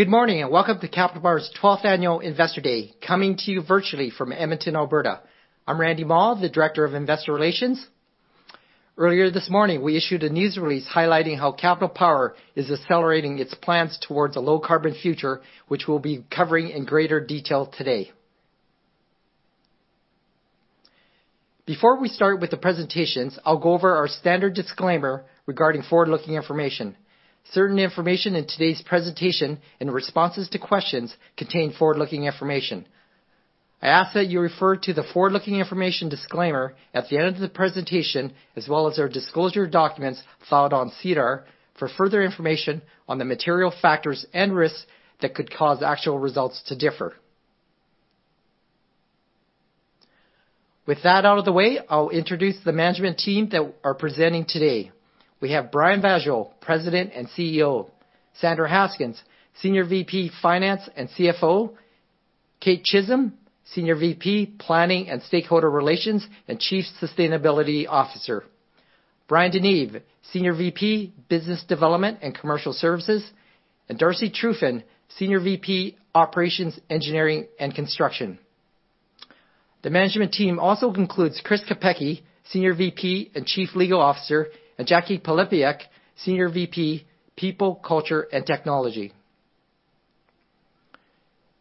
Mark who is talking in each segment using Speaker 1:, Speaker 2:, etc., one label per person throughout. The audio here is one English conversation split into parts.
Speaker 1: Good morning, welcome to Capital Power's 12th Annual Investor Day, coming to you virtually from Edmonton, Alberta. I'm Randy Mah, the Director of Investor Relations. Earlier this morning, we issued a news release highlighting how Capital Power is accelerating its plans towards a low-carbon future, which we'll be covering in greater detail today. Before we start with the presentations, I'll go over our standard disclaimer regarding forward-looking information. Certain information in today's presentation, responses to questions contain forward-looking information. I ask that you refer to the Forward-Looking Information disclaimer at the end of the presentation, as well as our disclosure documents filed on SEDAR for further information on the material factors and risks that could cause actual results to differ. With that out of the way, I'll introduce the management team that are presenting today. We have Brian Vaasjo, President and CEO. Sandra Haskins, Senior VP, Finance and CFO. Kate Chisholm, Senior VP, Planning and Stakeholder Relations, and Chief Sustainability Officer. Bryan DeNeve, Senior VP, Business Development and Commercial Services, and Darcy Trufyn, Senior VP, Operations, Engineering, and Construction. The management team also includes Chris Kopecky, Senior VP and Chief Legal Officer, and Jacquie Pylypiuk, Senior VP, People, Culture and Technology.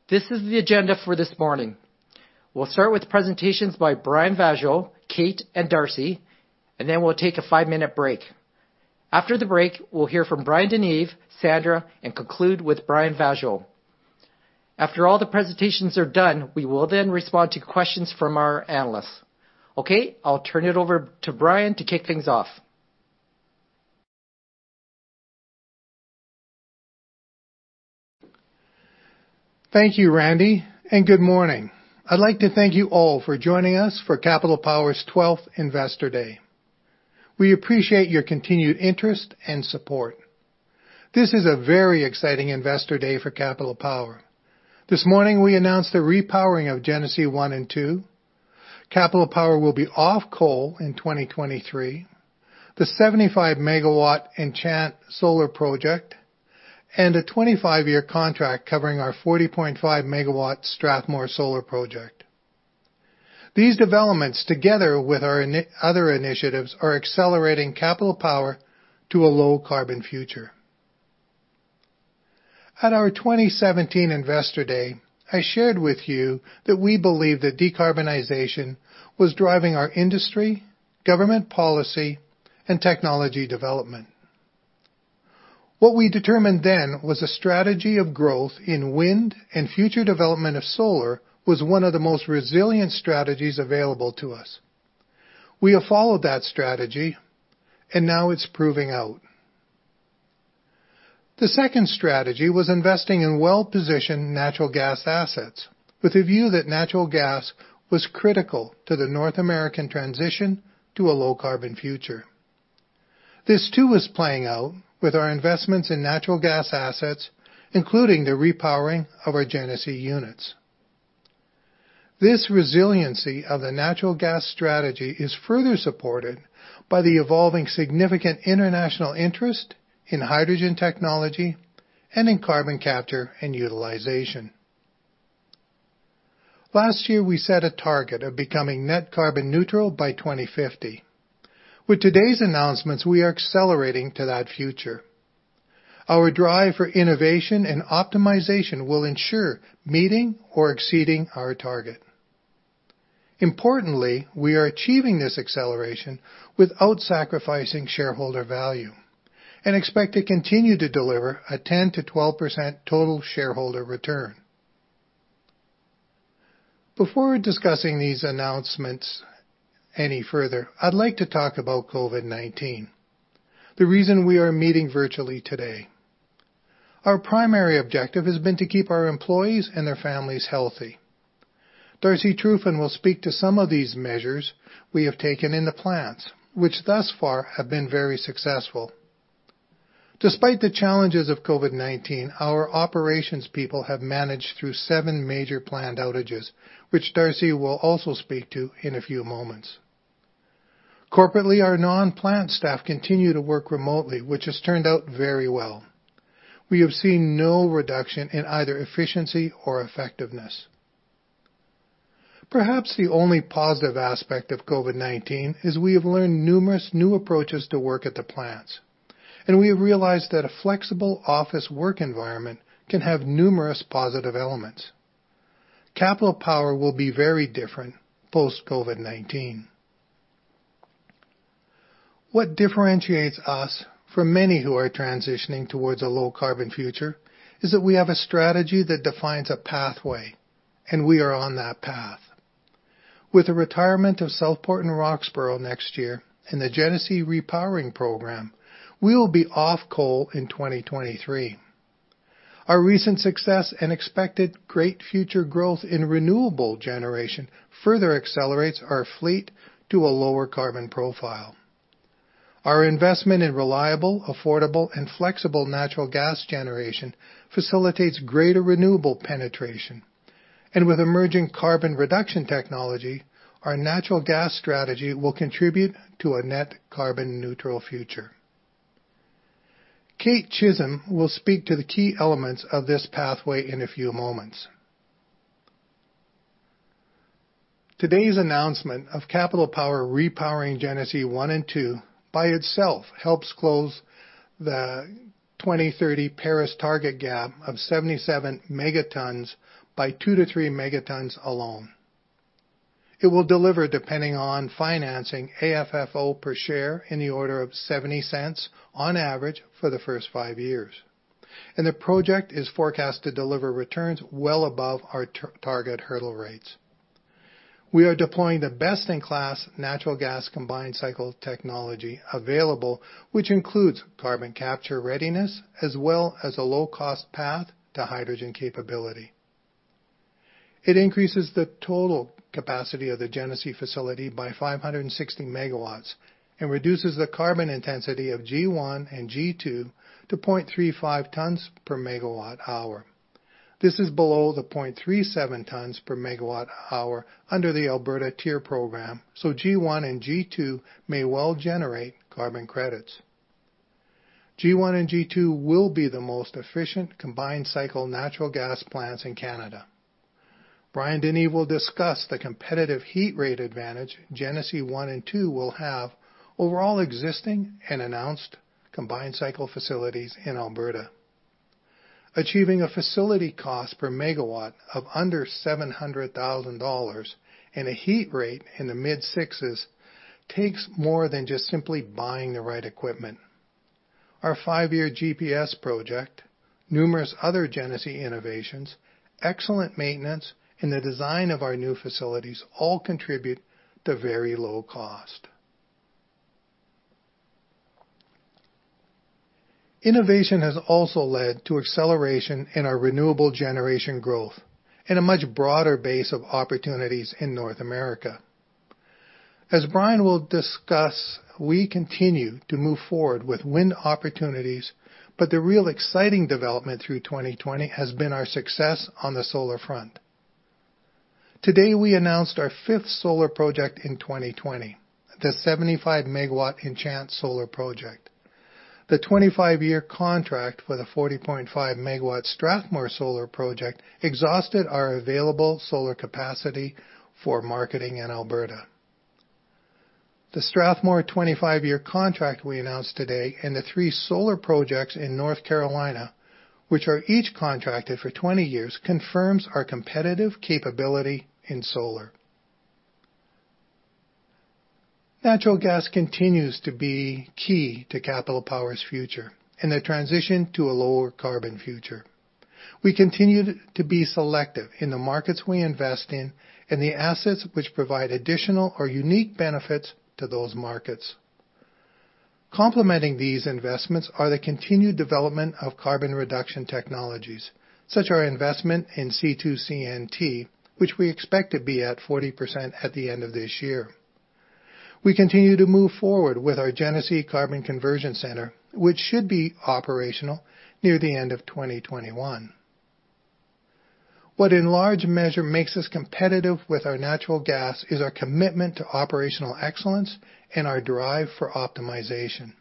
Speaker 1: This is the agenda for this morning. We'll start with presentations by Brian Vaasjo, Kate, and Darcy, and then we'll take a five-minute break. After the break, we'll hear from Bryan DeNeve, Sandra, and conclude with Brian Vaasjo. After all the presentations are done, we will then respond to questions from our analysts. Okay, I'll turn it over to Brian to kick things off.
Speaker 2: Thank you, Randy, and good morning. I'd like to thank you all for joining us for Capital Power's 12th Investor Day. We appreciate your continued interest and support. This is a very exciting Investor Day for Capital Power. This morning, we announced the repowering of Genesee 1 and 2. Capital Power will be off coal in 2023. The 75 MW Enchant Solar project and a 25-year contract covering our 40.5 MW Strathmore Solar project. These developments, together with our other initiatives, are accelerating Capital Power to a low-carbon future. At our 2017 Investor Day, I shared with you that we believe that decarbonization was driving our industry, government policy, and technology development. What we determined then was a strategy of growth in wind and future development of solar was one of the most resilient strategies available to us. We have followed that strategy, and now it's proving out. The second strategy was investing in well-positioned natural gas assets with a view that natural gas was critical to the North American transition to a low-carbon future. This too is playing out with our investments in natural gas assets, including the repowering of our Genesee units. This resiliency of the natural gas strategy is further supported by the evolving significant international interest in hydrogen technology and in carbon capture and utilization. Last year, we set a target of becoming net carbon neutral by 2050. With today's announcements, we are accelerating to that future. Our drive for innovation and optimization will ensure meeting or exceeding our target. Importantly, we are achieving this acceleration without sacrificing shareholder value and expect to continue to deliver a 10%-12% total shareholder return. Before discussing these announcements any further, I'd like to talk about COVID-19, the reason we are meeting virtually today. Our primary objective has been to keep our employees and their families healthy. Darcy Trufyn will speak to some of these measures we have taken in the plants, which thus far have been very successful. Despite the challenges of COVID-19, our operations people have managed through seven major plant outages, which Darcy will also speak to in a few moments. Corporately, our non-plant staff continue to work remotely, which has turned out very well. We have seen no reduction in either efficiency or effectiveness. Perhaps the only positive aspect of COVID-19 is we have learned numerous new approaches to work at the plants. We have realized that a flexible office work environment can have numerous positive elements. Capital Power will be very different post-COVID-19. What differentiates us from many who are transitioning towards a low-carbon future is that we have a strategy that defines a pathway, and we are on that path. With the retirement of Southport and Roxboro next year and the Genesee Repowering Program, we will be off coal in 2023. Our recent success and expected great future growth in renewable generation further accelerates our fleet to a lower carbon profile. Our investment in reliable, affordable, and flexible natural gas generation facilitates greater renewable penetration, and with emerging carbon reduction technology, our natural gas strategy will contribute to a net carbon neutral future. Kate Chisholm will speak to the key elements of this pathway in a few moments. Today's announcement of Capital Power repowering Genesee One and Two, by itself helps close the 2030 Paris target gap of 77 megatons by 2-3 megatons alone. It will deliver, depending on financing, AFFO per share in the order of 0.70 on average for the first five years. The project is forecast to deliver returns well above our target hurdle rates. We are deploying the best-in-class natural gas combined cycle technology available, which includes carbon capture readiness as well as a low-cost path to hydrogen capability. It increases the total capacity of the Genesee facility by 560 MW and reduces the carbon intensity of G1 and G2 to 0.35 tons per MWh. This is below the 0.37 tons per MWh under the Alberta TIER Program, so G1 and G2 may well generate carbon credits. G1 and G2 will be the most efficient combined cycle natural gas plants in Canada. Bryan DeNeve will discuss the competitive heat rate advantage Genesee 1 and 2 will have over all existing and announced combined cycle facilities in Alberta. Achieving a facility cost per megawatt of under 700,000 dollars and a heat rate in the mid sixes takes more than just simply buying the right equipment. Our five-year GPS project, numerous other Genesee innovations, excellent maintenance, and the design of our new facilities all contribute to very low cost. Innovation has also led to acceleration in our renewable generation growth and a much broader base of opportunities in North America. As Bryan will discuss, we continue to move forward with wind opportunities, but the real exciting development through 2020 has been our success on the solar front. Today, we announced our fifth solar project in 2020, the 75 MW Enchant Solar Project. The 25-year contract for the 40.5 MW Strathmore Solar Project exhausted our available solar capacity for marketing in Alberta. The Strathmore 25-year contract we announced today and the three solar projects in North Carolina, which are each contracted for 20 years, confirms our competitive capability in solar. Natural gas continues to be key to Capital Power's future and the transition to a lower carbon future. We continue to be selective in the markets we invest in and the assets which provide additional or unique benefits to those markets. Complementing these investments are the continued development of carbon reduction technologies, such our investment in C2CNT, which we expect to be at 40% at the end of this year. We continue to move forward with our Genesee Carbon Conversion Centre, which should be operational near the end of 2021. What in large measure makes us competitive with our natural gas is our commitment to operational excellence and our drive for optimization.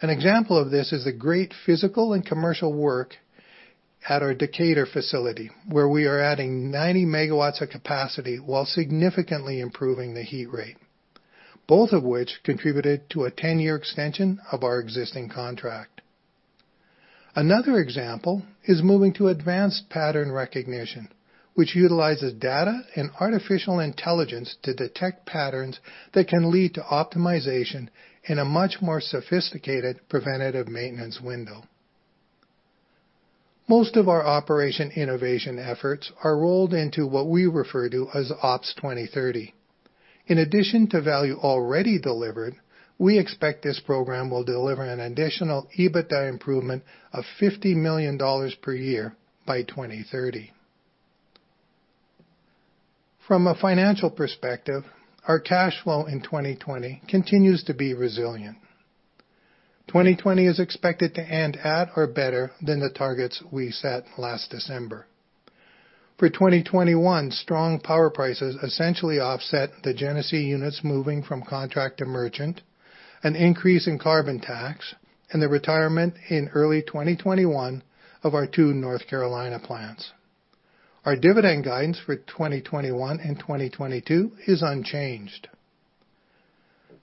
Speaker 2: An example of this is the great physical and commercial work at our Decatur facility, where we are adding 90 MW of capacity while significantly improving the heat rate. Both of which contributed to a 10-year extension of our existing contract. Another example is moving to advanced pattern recognition, which utilizes data and artificial intelligence to detect patterns that can lead to optimization and a much more sophisticated preventative maintenance window. Most of our operation innovation efforts are rolled into what we refer to as Ops 2030. In addition to value already delivered, we expect this program will deliver an additional EBITDA improvement of 50 million dollars per year by 2030. From a financial perspective, our cash flow in 2020 continues to be resilient. 2020 is expected to end at or better than the targets we set last December. For 2021, strong power prices essentially offset the Genesee units moving from contract to merchant, an increase in carbon tax, and the retirement in early 2021 of our two North Carolina plants. Our dividend guidance for 2021 and 2022 is unchanged.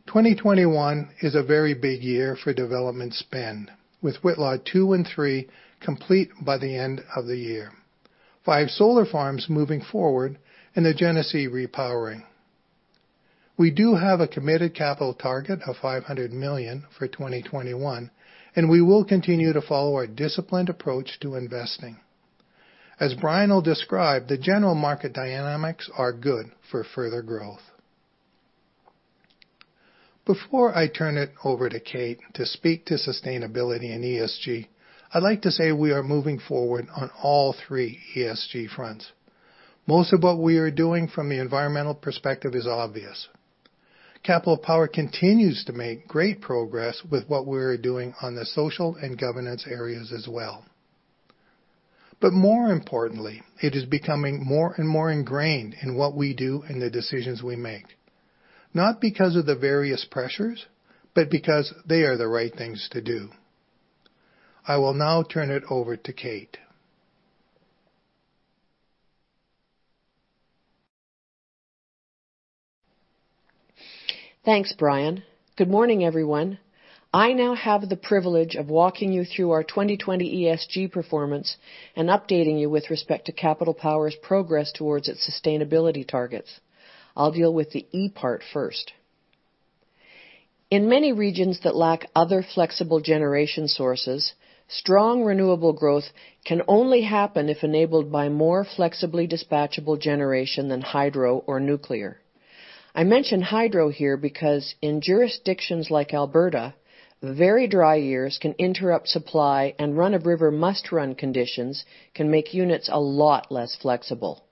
Speaker 2: 2021 is a very big year for development spend with Whitla 2 and 3 complete by the end of the year, five solar farms moving forward, and the Genesee repowering. We do have a committed capital target of 500 million for 2021, and we will continue to follow our disciplined approach to investing. As Bryan will describe, the general market dynamics are good for further growth. Before I turn it over to Kate to speak to sustainability and ESG, I'd like to say we are moving forward on all three ESG fronts. Most of what we are doing from the environmental perspective is obvious. Capital Power continues to make great progress with what we're doing on the social and governance areas as well. More importantly, it is becoming more and more ingrained in what we do and the decisions we make, not because of the various pressures, but because they are the right things to do. I will now turn it over to Kate.
Speaker 3: Thanks, Brian. Good morning, everyone. I now have the privilege of walking you through our 2020 ESG performance and updating you with respect to Capital Power's progress towards its sustainability targets. I'll deal with the E part first. In many regions that lack other flexible generation sources, strong renewable growth can only happen if enabled by more flexibly dispatchable generation than hydro or nuclear. I mention hydro here because in jurisdictions like Alberta, very dry years can interrupt supply and run-of-river must-run conditions can make units a lot less flexible.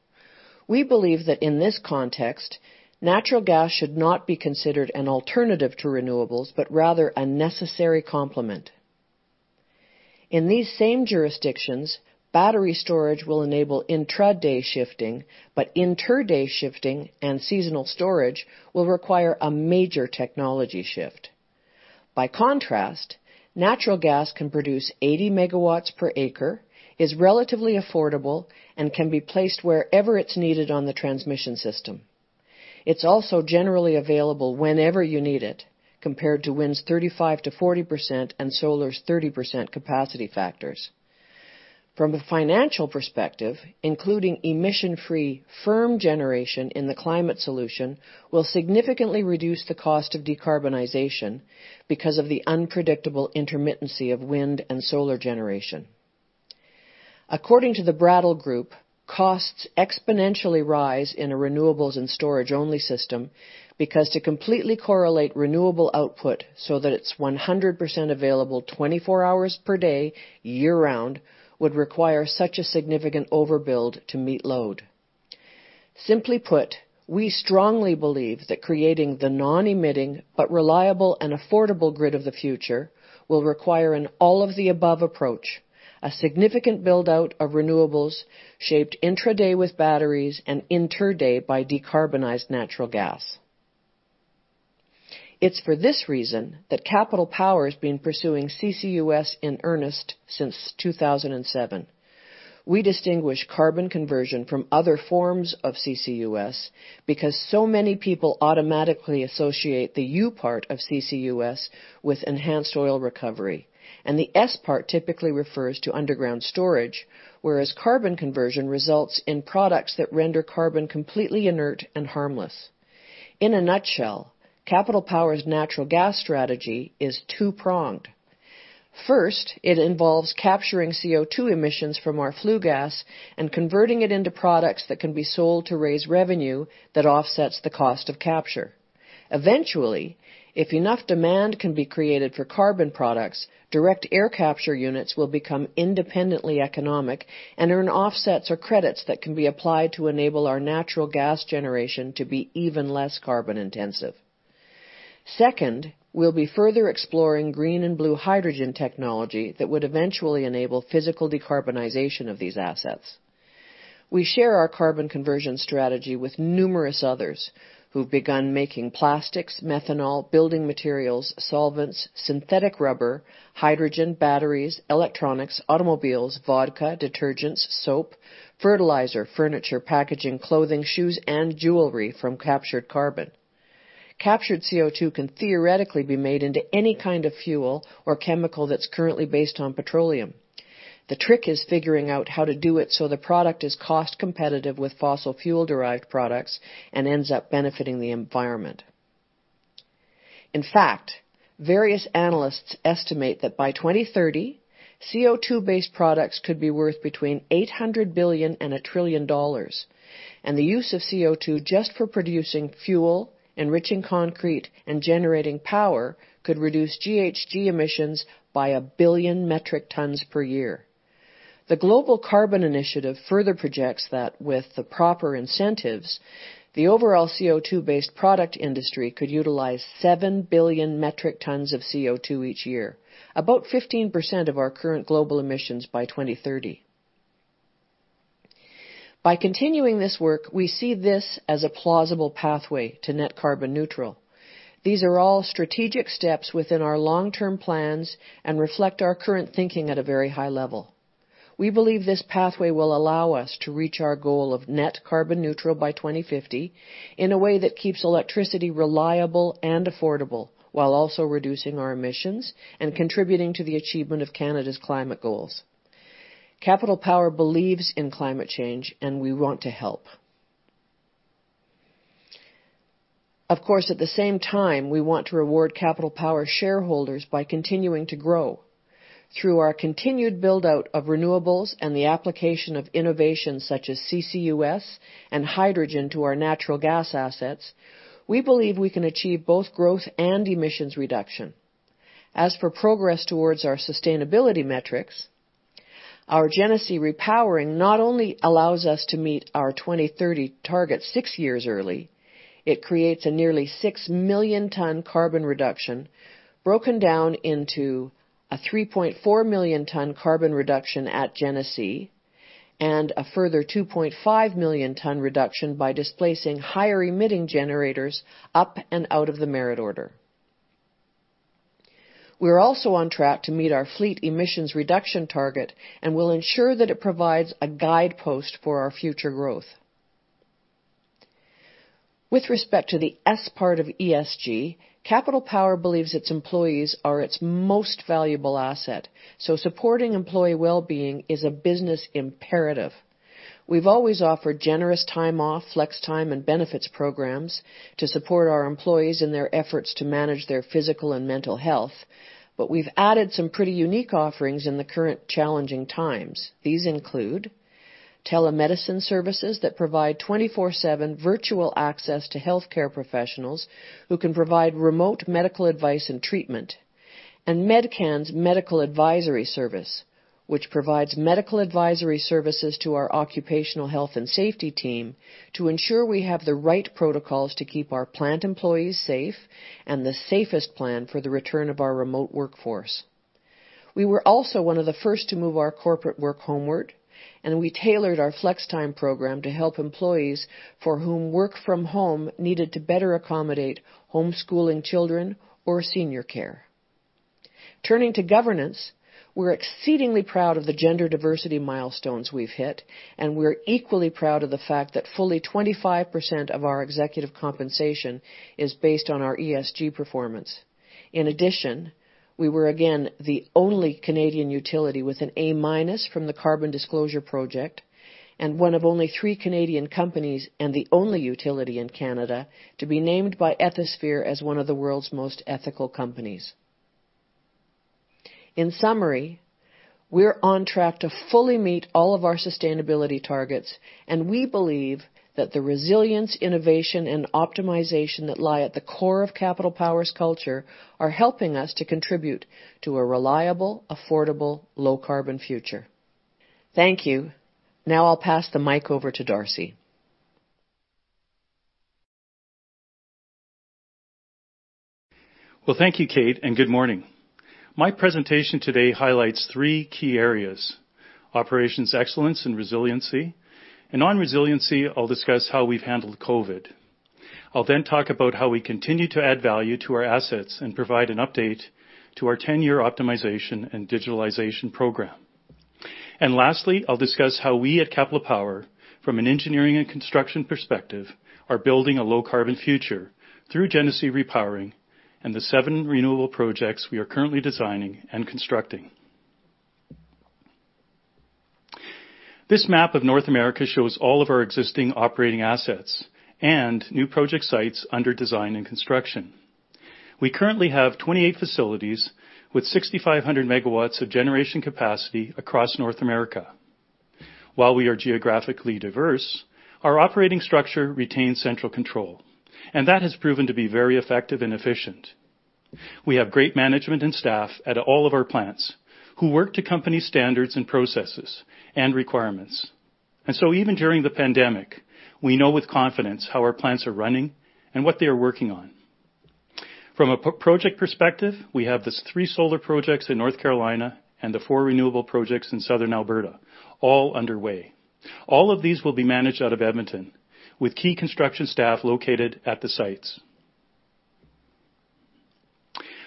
Speaker 3: We believe that in this context, natural gas should not be considered an alternative to renewables, but rather a necessary complement. In these same jurisdictions, battery storage will enable intra-day shifting, but inter-day shifting and seasonal storage will require a major technology shift. Natural gas can produce 80 MW per acre, is relatively affordable, and can be placed wherever it's needed on the transmission system. It's also generally available whenever you need it, compared to wind's 35%-40% and solar's 30% capacity factors. From a financial perspective, including emission-free firm generation in the climate solution will significantly reduce the cost of decarbonization because of the unpredictable intermittency of wind and solar generation. According to The Brattle Group, costs exponentially rise in a renewables and storage-only system because to completely correlate renewable output so that it's 100% available 24 hours per day, year-round, would require such a significant overbuild to meet load. Simply put, we strongly believe that creating the non-emitting but reliable and affordable grid of the future will require an all-of-the-above approach, a significant build-out of renewables shaped intra-day with batteries and inter-day by decarbonized natural gas. It's for this reason that Capital Power has been pursuing CCUS in earnest since 2007. We distinguish carbon conversion from other forms of CCUS because so many people automatically associate the U part of CCUS with enhanced oil recovery, and the S part typically refers to underground storage, whereas carbon conversion results in products that render carbon completely inert and harmless. In a nutshell, Capital Power's natural gas strategy is two-pronged. First, it involves capturing CO2 emissions from our flue gas and converting it into products that can be sold to raise revenue that offsets the cost of capture. Eventually, if enough demand can be created for carbon products, direct air capture units will become independently economic and earn offsets or credits that can be applied to enable our natural gas generation to be even less carbon-intensive. Second, we'll be further exploring green and blue hydrogen technology that would eventually enable physical decarbonization of these assets. We share our carbon conversion strategy with numerous others who've begun making plastics, methanol, building materials, solvents, synthetic rubber, hydrogen, batteries, electronics, automobiles, vodka, detergents, soap, fertilizer, furniture, packaging, clothing, shoes, and jewelry from captured carbon. Captured CO2 can theoretically be made into any kind of fuel or chemical that's currently based on petroleum. The trick is figuring out how to do it so the product is cost-competitive with fossil fuel-derived products and ends up benefiting the environment. In fact, various analysts estimate that by 2030, CO2-based products could be worth between 800 billion and 1 trillion dollars, and the use of CO2 just for producing fuel, enriching concrete, and generating power could reduce GHG emissions by 1 billion metric tons per year. The Global Carbon Capture and Storage Institute further projects that with the proper incentives, the overall CO2-based product industry could utilize 7 billion metric tons of CO2 each year, about 15% of our current global emissions by 2030. By continuing this work, we see this as a plausible pathway to net carbon neutral. These are all strategic steps within our long-term plans and reflect our current thinking at a very high level. We believe this pathway will allow us to reach our goal of net carbon neutral by 2050 in a way that keeps electricity reliable and affordable while also reducing our emissions and contributing to the achievement of Canada's climate goals. Capital Power believes in climate change, and we want to help. Of course, at the same time, we want to reward Capital Power shareholders by continuing to grow. Through our continued build-out of renewables and the application of innovations such as CCUS and hydrogen to our natural gas assets, we believe we can achieve both growth and emissions reduction. As for progress towards our sustainability metrics. Our Genesee repowering not only allows us to meet our 2030 targets six years early, it creates a nearly 6 million ton carbon reduction, broken down into a 3.4 million ton carbon reduction at Genesee, and a further 2.5 million ton reduction by displacing higher-emitting generators up and out of the merit order. We're also on track to meet our fleet emissions reduction target, and will ensure that it provides a guidepost for our future growth. With respect to the S part of ESG, Capital Power believes its employees are its most valuable asset, so supporting employee wellbeing is a business imperative. We've always offered generous time off, flex time, and benefits programs to support our employees in their efforts to manage their physical and mental health, but we've added some pretty unique offerings in the current challenging times. These include telemedicine services that provide 24/7 virtual access to healthcare professionals who can provide remote medical advice and treatment, and Medcan's medical advisory service, which provides medical advisory services to our occupational health and safety team to ensure we have the right protocols to keep our plant employees safe, and the safest plan for the return of our remote workforce. We were also one of the first to move our corporate work homeward, and we tailored our flex time program to help employees for whom work from home needed to better accommodate homeschooling children or senior care. Turning to governance, we're exceedingly proud of the gender diversity milestones we've hit, and we're equally proud of the fact that fully 25% of our executive compensation is based on our ESG performance. In addition, we were again the only Canadian utility with an A- from the Carbon Disclosure Project, and one of only three Canadian companies, and the only utility in Canada, to be named by Ethisphere as one of the world's most ethical companies. In summary, we're on track to fully meet all of our sustainability targets, and we believe that the resilience, innovation, and optimization that lie at the core of Capital Power's culture are helping us to contribute to a reliable, affordable, low-carbon future. Thank you. Now I'll pass the mic over to Darcy.
Speaker 4: Well, thank you, Kate, and good morning. My presentation today highlights three key areas, operations excellence and resiliency. On resiliency, I'll discuss how we've handled COVID. I'll then talk about how we continue to add value to our assets and provide an update to our 10-year optimization and digitalization program. Lastly, I'll discuss how we at Capital Power, from an engineering and construction perspective, are building a low-carbon future through Genesee repowering and the seven renewable projects we are currently designing and constructing. This map of North America shows all of our existing operating assets and new project sites under design and construction. We currently have 28 facilities with 6,500 MW of generation capacity across North America. While we are geographically diverse, our operating structure retains central control, and that has proven to be very effective and efficient. We have great management and staff at all of our plants who work to company standards, processes, and requirements. Even during the pandemic, we know with confidence how our plants are running and what they are working on. From a project perspective, we have the three solar projects in North Carolina and the four renewable projects in Southern Alberta all underway. All of these will be managed out of Edmonton, with key construction staff located at the sites.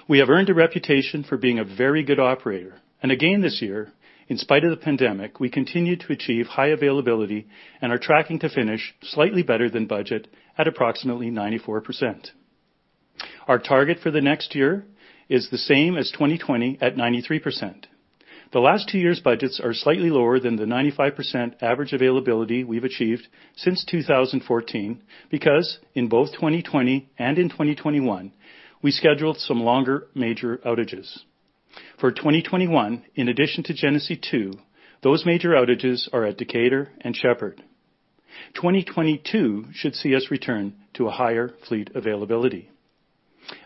Speaker 4: We have earned a reputation for being a very good operator. Again, this year, in spite of the pandemic, we continued to achieve high availability and are tracking to finish slightly better than budget at approximately 94%. Our target for the next year is the same as 2020 at 93%. The last two years' budgets are slightly lower than the 95% average availability we've achieved since 2014 because in both 2020 and in 2021, we scheduled some longer major outages. For 2021, in addition to Genesee 2, those major outages are at Decatur and Shepard. 2022 should see us return to a higher fleet availability.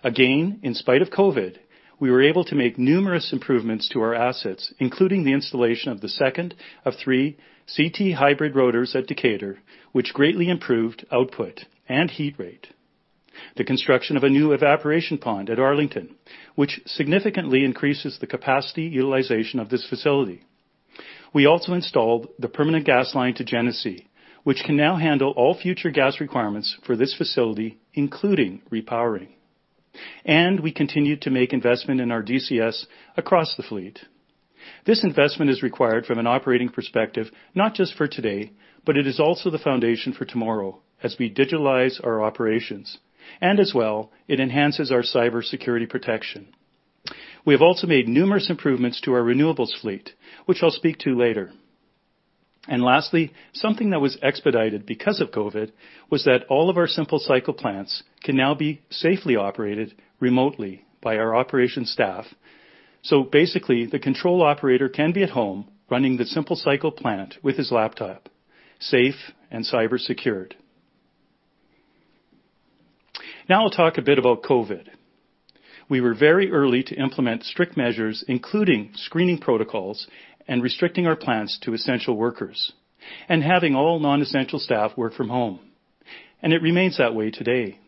Speaker 4: Again, in spite of COVID, we were able to make numerous improvements to our assets, including the installation of the second of three CT Hybrid rotors at Decatur, which greatly improved output and heat rate. The construction of a new evaporation pond at Arlington, which significantly increases the capacity utilization of this facility. We also installed the permanent gas line to Genesee, which can now handle all future gas requirements for this facility, including repowering. We continued to make investment in our DCS across the fleet. This investment is required from an operating perspective, not just for today, but it is also the foundation for tomorrow as we digitalize our operations. As well, it enhances our cybersecurity protection. We have also made numerous improvements to our renewables fleet, which I'll speak to later. Lastly, something that was expedited because of COVID was that all of our simple cycle plants can now be safely operated remotely by our operations staff. Basically, the control operator can be at home running the simple cycle plant with his laptop, safe and cyber secured. Now I'll talk a bit about COVID. We were very early to implement strict measures, including screening protocols and restricting our plants to essential workers and having all non-essential staff work from home, and it remains that way today.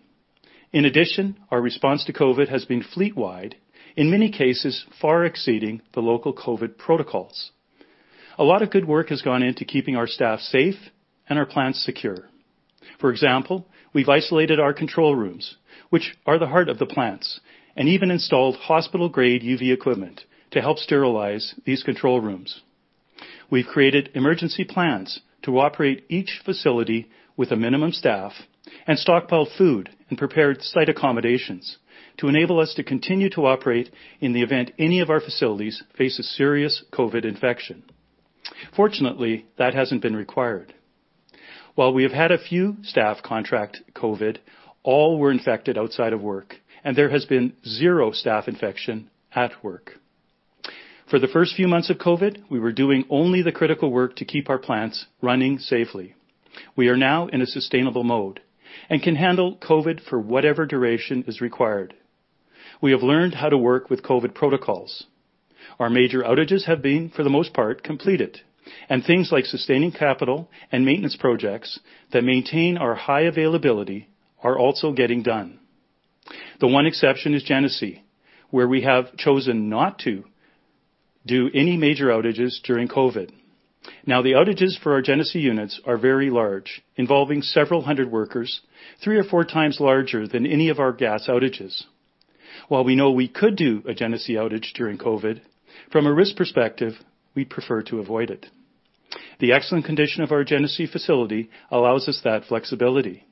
Speaker 4: In addition, our response to COVID has been fleet-wide, in many cases far exceeding the local COVID protocols. A lot of good work has gone into keeping our staff safe and our plants secure. For example, we've isolated our control rooms, which are the heart of the plants, and even installed hospital-grade UV equipment to help sterilize these control rooms. We've created emergency plans to operate each facility with a minimum staff and stockpiled food and prepared site accommodations to enable us to continue to operate in the event any of our facilities face a serious COVID infection. Fortunately, that hasn't been required. While we have had a few staff contract COVID, all were infected outside of work, and there has been zero staff infection at work. For the first few months of COVID, we were doing only the critical work to keep our plants running safely. We are now in a sustainable mode and can handle COVID for whatever duration is required. We have learned how to work with COVID protocols. Our major outages have been, for the most part, completed, and things like sustaining capital and maintenance projects that maintain our high availability are also getting done. The one exception is Genesee, where we have chosen not to do any major outages during COVID. The outages for our Genesee units are very large, involving several hundred workers, three or four times larger than any of our gas outages. We know we could do a Genesee outage during COVID, from a risk perspective, we'd prefer to avoid it. The excellent condition of our Genesee facility allows us that flexibility.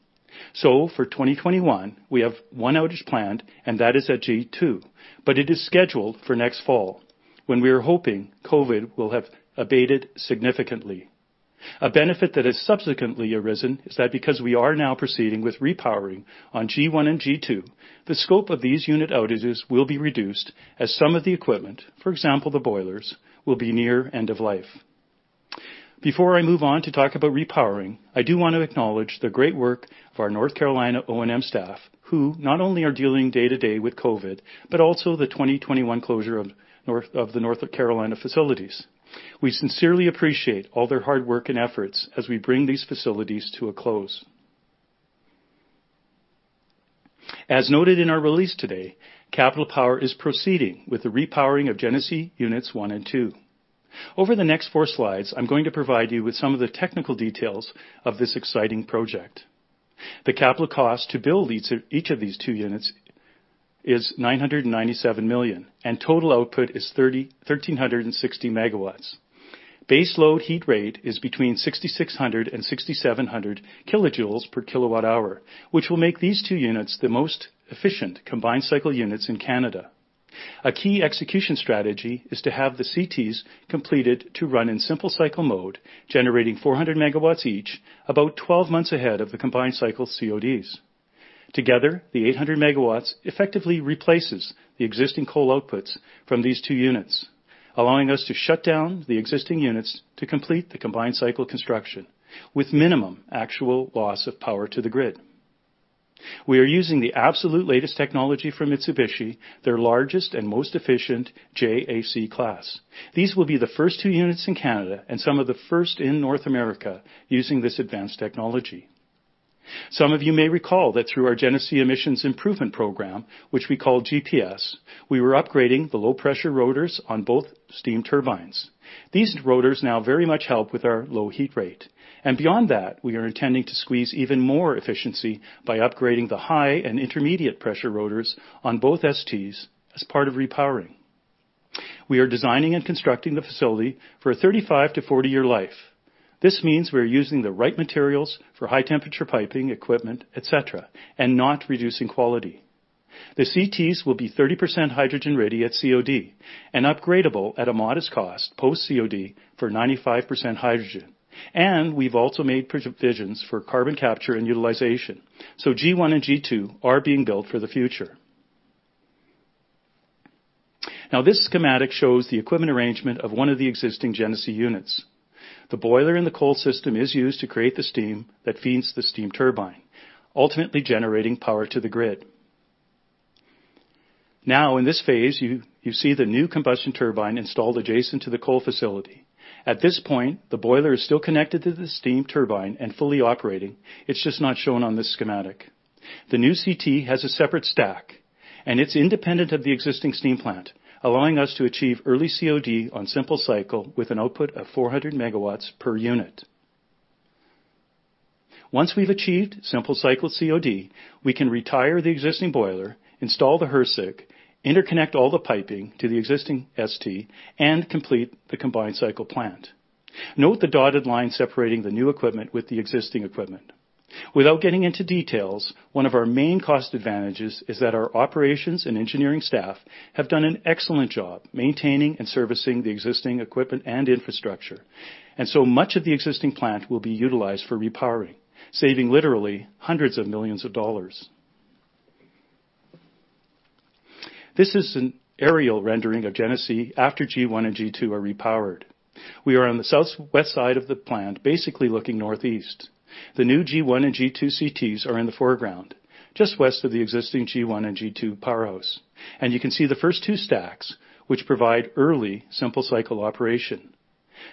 Speaker 4: For 2021, we have one outage planned, and that is at G2, but it is scheduled for next fall when we are hoping COVID will have abated significantly. A benefit that has subsequently arisen is that because we are now proceeding with repowering on G1 and G2, the scope of these unit outages will be reduced as some of the equipment, for example, the boilers, will be near end of life. Before I move on to talk about repowering, I do want to acknowledge the great work of our North Carolina O&M staff, who not only are dealing day-to-day with COVID, but also the 2021 closure of the North Carolina facilities. We sincerely appreciate all their hard work and efforts as we bring these facilities to a close. As noted in our release today, Capital Power is proceeding with the repowering of Genesee units one and two. Over the next four slides, I'm going to provide you with some of the technical details of this exciting project. The capital cost to build each of these two units is 997 million, total output is 1,360 MW. Base load heat rate is between 6,600 kJ/kWh and 6,700 kJ/kWh, which will make these two units the most efficient combined cycle units in Canada. A key execution strategy is to have the CTs completed to run in simple cycle mode, generating 400 MW each, about 12 months ahead of the combined cycle CODs. Together, the 800 MW effectively replaces the existing coal outputs from these two units, allowing us to shut down the existing units to complete the combined cycle construction with minimum actual loss of power to the grid. We are using the absolute latest technology from Mitsubishi, their largest and most efficient JAC class. These will be the first two units in Canada and some of the first in North America using this advanced technology. Some of you may recall that through our Genesee Emissions Improvement Program, which we call GPS, we were upgrading the low-pressure rotors on both steam turbines. These rotors now very much help with our low heat rate. Beyond that, we are intending to squeeze even more efficiency by upgrading the high and intermediate pressure rotors on both STs as part of repowering. We are designing and constructing the facility for a 35- to 40-year life. This means we're using the right materials for high-temperature piping, equipment, et cetera, and not reducing quality. The CTs will be 30% hydrogen-ready at COD and upgradable at a modest cost post-COD for 95% hydrogen. We've also made provisions for carbon capture and utilization. G1 and G2 are being built for the future. This schematic shows the equipment arrangement of one of the existing Genesee units. The boiler in the coal system is used to create the steam that feeds the steam turbine, ultimately generating power to the grid. In this phase, you see the new combustion turbine installed adjacent to the coal facility. At this point, the boiler is still connected to the steam turbine and fully operating. It is just not shown on this schematic. The new CT has a separate stack, and it is independent of the existing steam plant, allowing us to achieve early COD on simple cycle with an output of 400 MW per unit. Once we have achieved simple cycle COD, we can retire the existing boiler, install the HRSG, interconnect all the piping to the existing ST, and complete the combined cycle plant. Note the dotted line separating the new equipment with the existing equipment. Without getting into details, one of our main cost advantages is that our operations and engineering staff have done an excellent job maintaining and servicing the existing equipment and infrastructure, and so much of the existing plant will be utilized for repowering, saving literally hundreds of millions of CAD. This is an aerial rendering of Genesee after G1 and G2 are repowered. We are on the southwest side of the plant, basically looking northeast. The new G1 and G2 CTs are in the foreground, just west of the existing G1 and G2 powerhouse. You can see the first two stacks, which provide early simple cycle operation.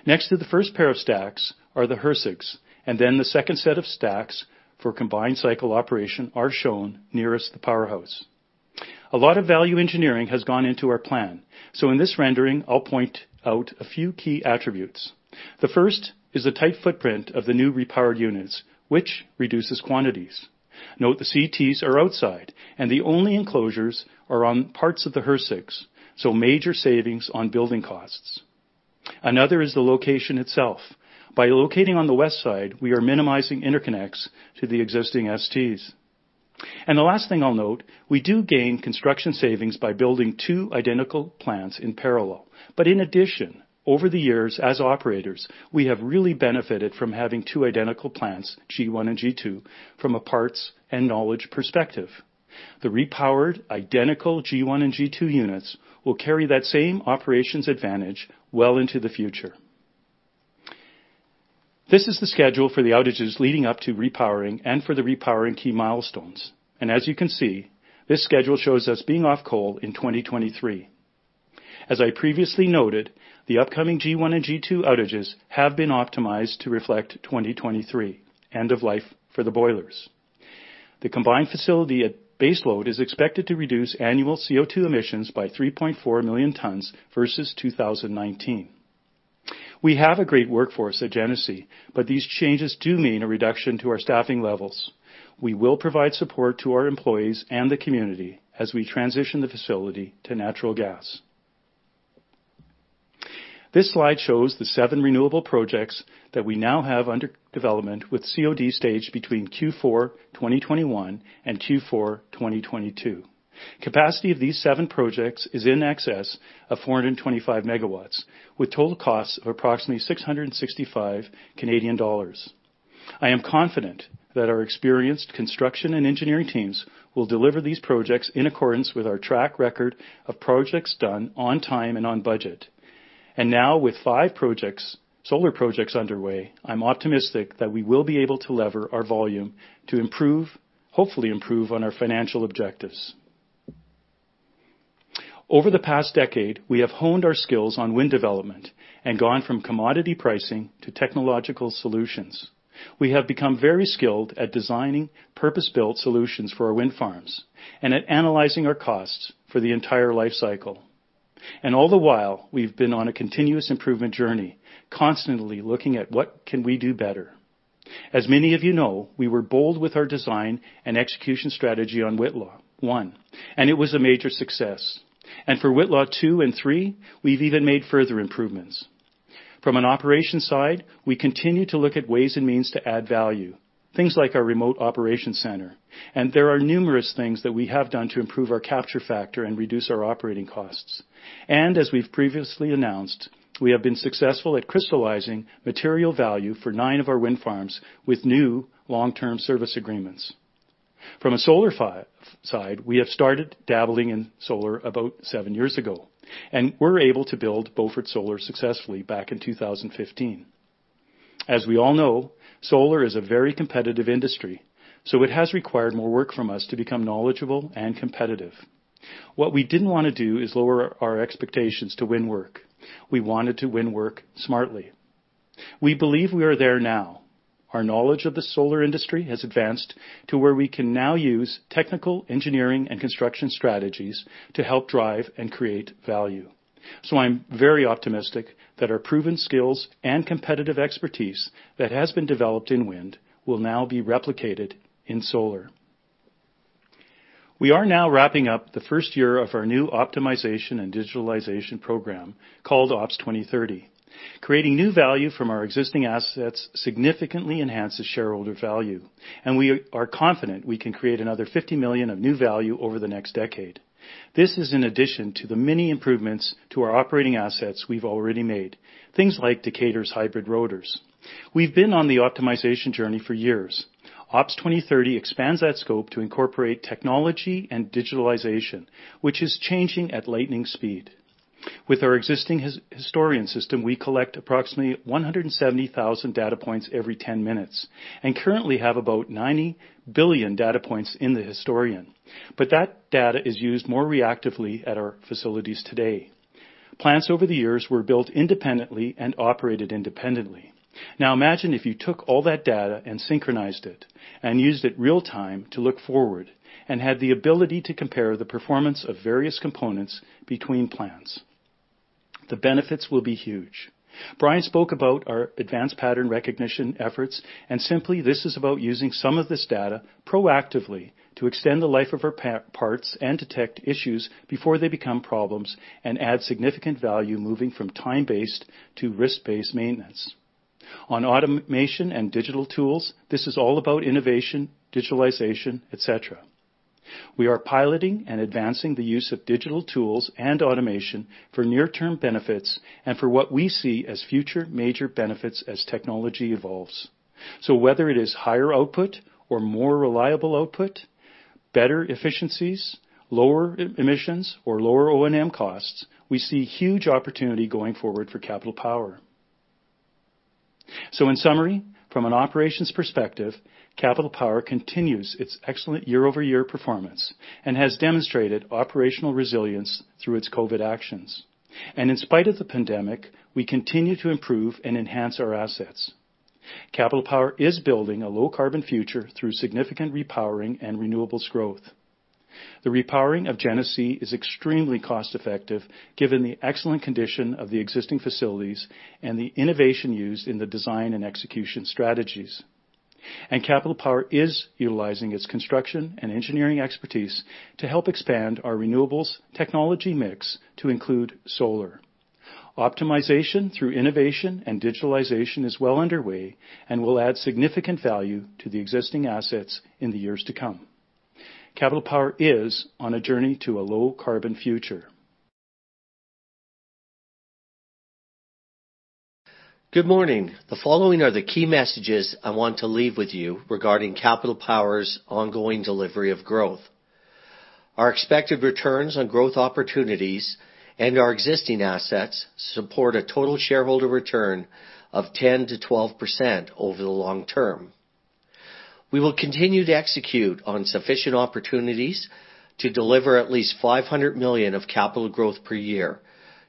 Speaker 4: Next to the first pair of stacks are the HRSGs, and then the second set of stacks for combined cycle operation are shown nearest the powerhouse. A lot of value engineering has gone into our plan, so in this rendering, I'll point out a few key attributes. The first is the tight footprint of the new repowered units, which reduces quantities. Note the CTs are outside, and the only enclosures are on parts of the HRSGs, so major savings on building costs. Another is the location itself. By locating on the west side, we are minimizing interconnects to the existing STs. The last thing I'll note, we do gain construction savings by building two identical plants in parallel. In addition, over the years as operators, we have really benefited from having two identical plants, G1 and G2, from a parts and knowledge perspective. The repowered identical G1 and G2 units will carry that same operations advantage well into the future. This is the schedule for the outages leading up to repowering and for the repowering key milestones. As you can see, this schedule shows us being off coal in 2023. As I previously noted, the upcoming G1 and G2 outages have been optimized to reflect 2023, end of life for the boilers. The combined facility at baseload is expected to reduce annual CO2 emissions by 3.4 million tons versus 2019. We have a great workforce at Genesee, these changes do mean a reduction to our staffing levels. We will provide support to our employees and the community as we transition the facility to natural gas. This slide shows the seven renewable projects that we now have under development with COD stage between Q4 2021 and Q4 2022. Capacity of these seven projects is in excess of 425 MW, with total costs of approximately 665 Canadian dollars. I am confident that our experienced construction and engineering teams will deliver these projects in accordance with our track record of projects done on time and on budget. Now with five solar projects underway, I'm optimistic that we will be able to lever our volume to hopefully improve on our financial objectives. Over the past decade, we have honed our skills on wind development and gone from commodity pricing to technological solutions. We have become very skilled at designing purpose-built solutions for our wind farms and at analyzing our costs for the entire life cycle. All the while, we've been on a continuous improvement journey, constantly looking at what can we do better. As many of you know, we were bold with our design and execution strategy on Whitla 1, it was a major success. For Whitla 2 and 3, we've even made further improvements. From an operations side, we continue to look at ways and means to add value, things like our remote operation center. There are numerous things that we have done to improve our capture factor and reduce our operating costs. As we've previously announced, we have been successful at crystallizing material value for nine of our wind farms with new long-term service agreements. From a solar side, we have started dabbling in solar about seven years ago, and were able to build Beaufort Solar successfully back in 2015. As we all know, solar is a very competitive industry, so it has required more work from us to become knowledgeable and competitive. What we didn't want to do is lower our expectations to win work. We wanted to win work smartly. We believe we are there now. Our knowledge of the solar industry has advanced to where we can now use technical, engineering, and construction strategies to help drive and create value. I'm very optimistic that our proven skills and competitive expertise that has been developed in wind will now be replicated in solar. We are now wrapping up the first year of our new optimization and digitalization program called Ops 2030. Creating new value from our existing assets significantly enhances shareholder value, and we are confident we can create another 50 million of new value over the next decade. This is in addition to the many improvements to our operating assets we've already made, things like CT Hybrid rotors. We've been on the optimization journey for years. Ops 2030 expands that scope to incorporate technology and digitalization, which is changing at lightning speed. With our existing historian system, we collect approximately 170,000 data points every 10 minutes, and currently have about 90 billion data points in the historian. That data is used more reactively at our facilities today. Plants over the years were built independently and operated independently. Now imagine if you took all that data and synchronized it and used it real-time to look forward and had the ability to compare the performance of various components between plants. The benefits will be huge. Brian spoke about our advanced pattern recognition efforts, and simply this is about using some of this data proactively to extend the life of our parts and detect issues before they become problems and add significant value moving from time-based to risk-based maintenance. On automation and digital tools, this is all about innovation, digitalization, etc. We are piloting and advancing the use of digital tools and automation for near-term benefits and for what we see as future major benefits as technology evolves. Whether it is higher output or more reliable output, better efficiencies, lower emissions, or lower O&M costs, we see huge opportunity going forward for Capital Power. In summary, from an operations perspective, Capital Power continues its excellent year-over-year performance and has demonstrated operational resilience through its COVID actions. In spite of the pandemic, we continue to improve and enhance our assets. Capital Power is building a low-carbon future through significant repowering and renewables growth. The repowering of Genesee is extremely cost-effective given the excellent condition of the existing facilities and the innovation used in the design and execution strategies. Capital Power is utilizing its construction and engineering expertise to help expand our renewables technology mix to include solar. Optimization through innovation and digitalization is well underway and will add significant value to the existing assets in the years to come. Capital Power is on a journey to a low-carbon future.
Speaker 5: Good morning. The following are the key messages I want to leave with you regarding Capital Power's ongoing delivery of growth. Our expected returns on growth opportunities and our existing assets support a total shareholder return of 10%-12% over the long term. We will continue to execute on sufficient opportunities to deliver at least 500 million of capital growth per year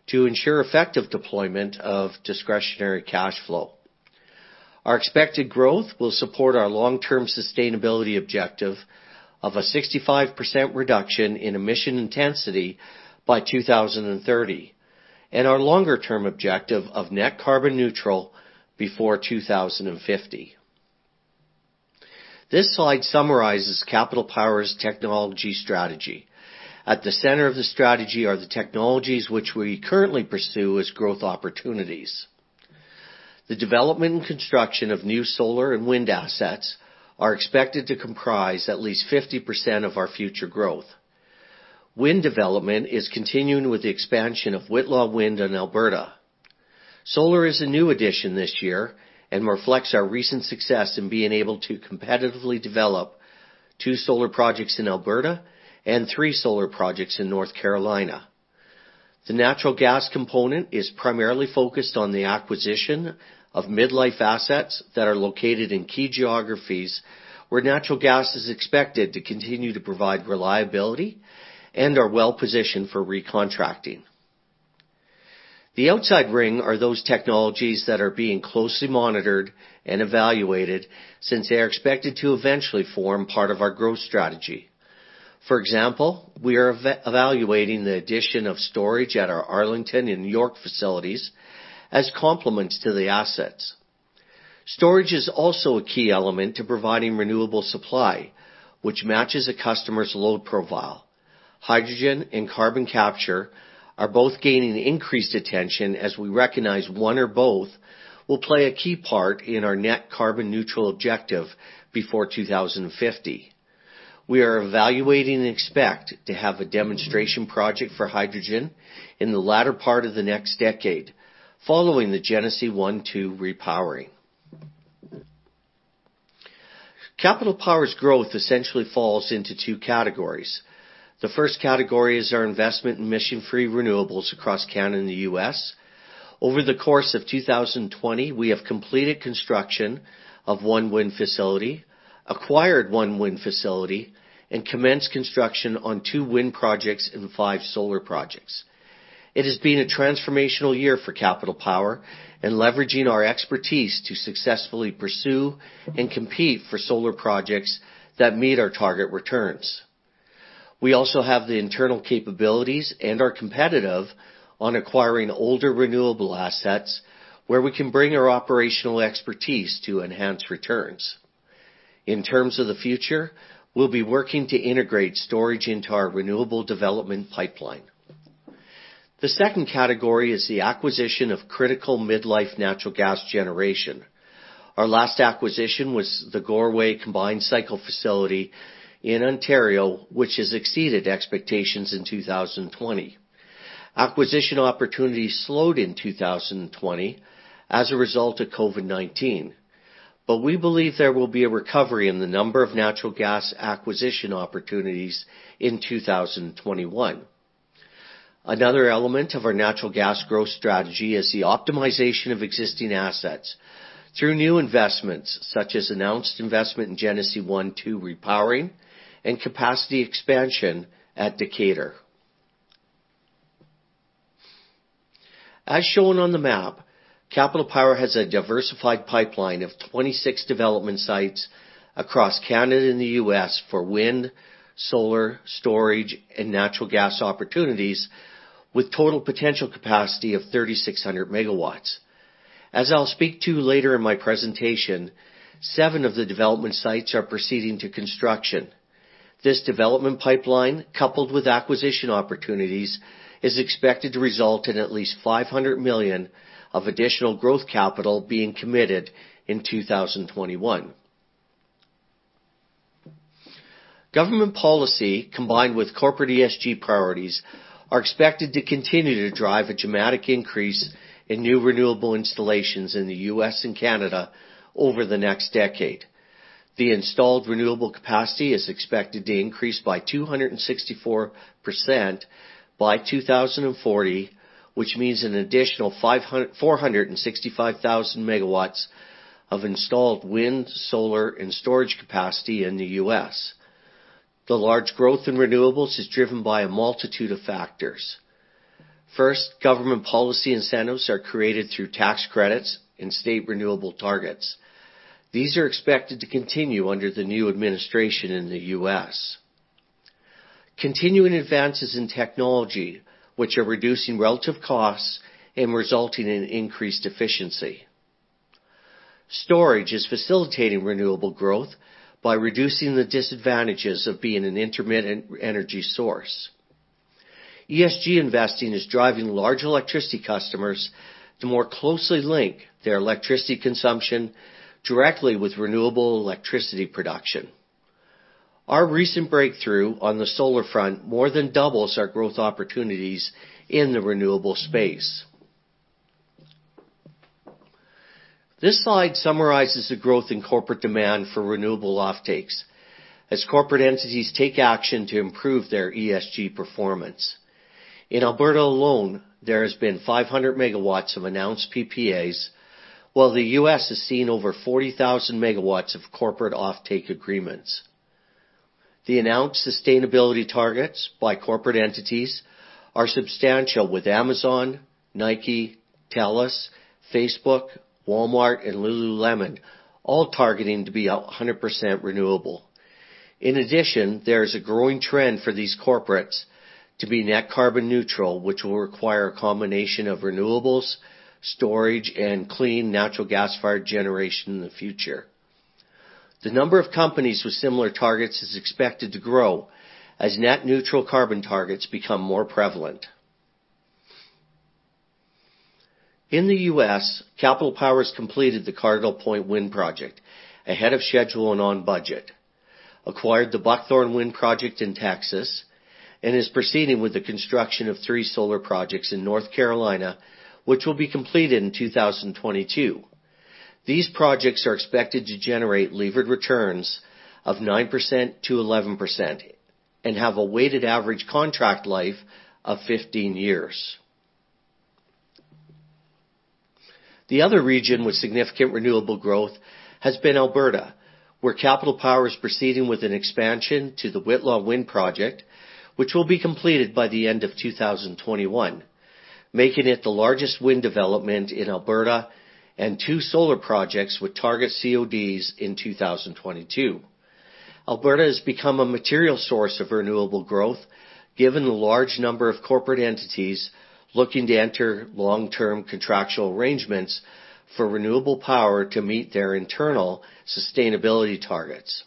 Speaker 5: to ensure effective deployment of discretionary cash flow. Our expected growth will support our long-term sustainability objective of a 65% reduction in emission intensity by 2030 and our longer-term objective of net carbon neutral before 2050. This slide summarizes Capital Power's technology strategy. At the center of the strategy are the technologies which we currently pursue as growth opportunities. The development and construction of new solar and wind assets are expected to comprise at least 50% of our future growth. Wind development is continuing with the expansion of Whitla Wind in Alberta. Solar is a new addition this year and reflects our recent success in being able to competitively develop two solar projects in Alberta and three solar projects in North Carolina. The natural gas component is primarily focused on the acquisition of mid-life assets that are located in key geographies where natural gas is expected to continue to provide reliability and are well-positioned for recontracting. The outside ring are those technologies that are being closely monitored and evaluated since they are expected to eventually form part of our growth strategy. For example, we are evaluating the addition of storage at our Arlington and York facilities as complements to the assets. Storage is also a key element to providing renewable supply, which matches a customer's load profile. Hydrogen and carbon capture are both gaining increased attention as we recognize one or both will play a key part in our net carbon neutral objective before 2050. We are evaluating and expect to have a demonstration project for hydrogen in the latter part of the next decade, following the Genesee 1, 2 repowering. Capital Power's growth essentially falls into two categories. The first category is our investment in emission-free renewables across Canada and the U.S. Over the course of 2020, we have completed construction of one wind facility, acquired one wind facility, and commenced construction on two wind projects and five solar projects. It has been a transformational year for Capital Power in leveraging our expertise to successfully pursue and compete for solar projects that meet our target returns. We also have the internal capabilities and are competitive on acquiring older renewable assets, where we can bring our operational expertise to enhance returns. In terms of the future, we'll be working to integrate storage into our renewable development pipeline. The second category is the acquisition of critical mid-life natural gas generation. Our last acquisition was the Goreway combined cycle facility in Ontario, which has exceeded expectations in 2020. Acquisition opportunities slowed in 2020 as a result of COVID-19, but we believe there will be a recovery in the number of natural gas acquisition opportunities in 2021. Another element of our natural gas growth strategy is the optimization of existing assets through new investments, such as announced investment in Genesee 1, 2 repowering and capacity expansion at Decatur. As shown on the map, Capital Power has a diversified pipeline of 26 development sites across Canada and the U.S. for wind, solar, storage, and natural gas opportunities, with total potential capacity of 3,600 MW. As I'll speak to later in my presentation, seven of the development sites are proceeding to construction. This development pipeline, coupled with acquisition opportunities, is expected to result in at least 500 million of additional growth capital being committed in 2021. Government policy, combined with corporate ESG priorities, are expected to continue to drive a dramatic increase in new renewable installations in the U.S. and Canada over the next decade. The installed renewable capacity is expected to increase by 264% by 2040, which means an additional 465,000 MW of installed wind, solar, and storage capacity in the U.S. The large growth in renewables is driven by a multitude of factors. First, government policy incentives are created through tax credits and state renewable targets. These are expected to continue under the new administration in the U.S. Continuing advances in technology, which are reducing relative costs and resulting in increased efficiency. Storage is facilitating renewable growth by reducing the disadvantages of being an intermittent energy source. ESG investing is driving large electricity customers to more closely link their electricity consumption directly with renewable electricity production. Our recent breakthrough on the solar front more than doubles our growth opportunities in the renewable space. This slide summarizes the growth in corporate demand for renewable offtakes as corporate entities take action to improve their ESG performance. In Alberta alone, there has been 500 MW of announced PPAs, while the U.S. has seen over 40,000 MW of corporate offtake agreements. The announced sustainability targets by corporate entities are substantial, with Amazon, Nike, Telus, Facebook, Walmart, and Lululemon all targeting to be 100% renewable. In addition, there is a growing trend for these corporates to be net carbon neutral, which will require a combination of renewables, storage, and clean natural gas-fired generation in the future. The number of companies with similar targets is expected to grow as net neutral carbon targets become more prevalent. In the U.S., Capital Power has completed the Cardinal Point Wind project ahead of schedule and on budget, acquired the Buckthorn Wind project in Texas, and is proceeding with the construction of three solar projects in North Carolina, which will be completed in 2022. These projects are expected to generate levered returns of 9%-11% and have a weighted average contract life of 15 years. The other region with significant renewable growth has been Alberta, where Capital Power is proceeding with an expansion to the Whitla Wind project, which will be completed by the end of 2021, making it the largest wind development in Alberta, and two solar projects with target CODs in 2022. Alberta has become a material source of renewable growth given the large number of corporate entities looking to enter long-term contractual arrangements for renewable power to meet their internal sustainability targets.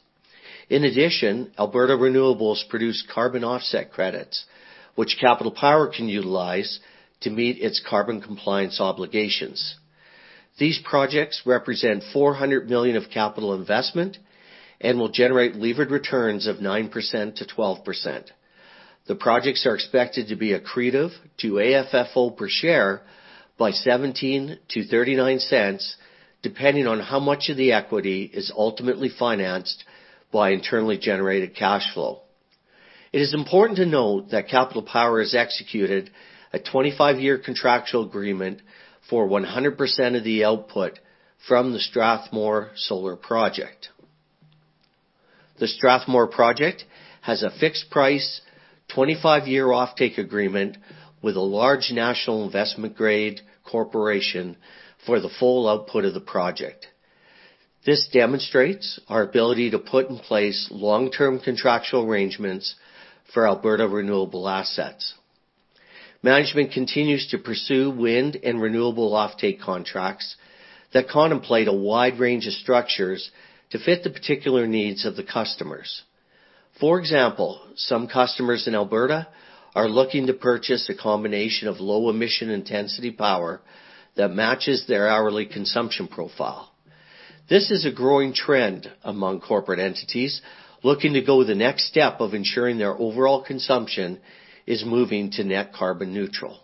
Speaker 5: In addition, Alberta renewables produce carbon offset credits, which Capital Power can utilize to meet its carbon compliance obligations. These projects represent 400 million of capital investment and will generate levered returns of 9%-12%. The projects are expected to be accretive to AFFO per share by 0.17-0.39, depending on how much of the equity is ultimately financed by internally generated cash flow. It is important to note that Capital Power has executed a 25-year contractual agreement for 100% of the output from the Strathmore Solar project. The Strathmore project has a fixed-price, 25-year offtake agreement with a large national investment-grade corporation for the full output of the project. This demonstrates our ability to put in place long-term contractual arrangements for Alberta renewable assets. Management continues to pursue wind and renewable offtake contracts that contemplate a wide range of structures to fit the particular needs of the customers. For example, some customers in Alberta are looking to purchase a combination of low-emission intensity power that matches their hourly consumption profile. This is a growing trend among corporate entities looking to go the next step of ensuring their overall consumption is moving to net carbon neutral.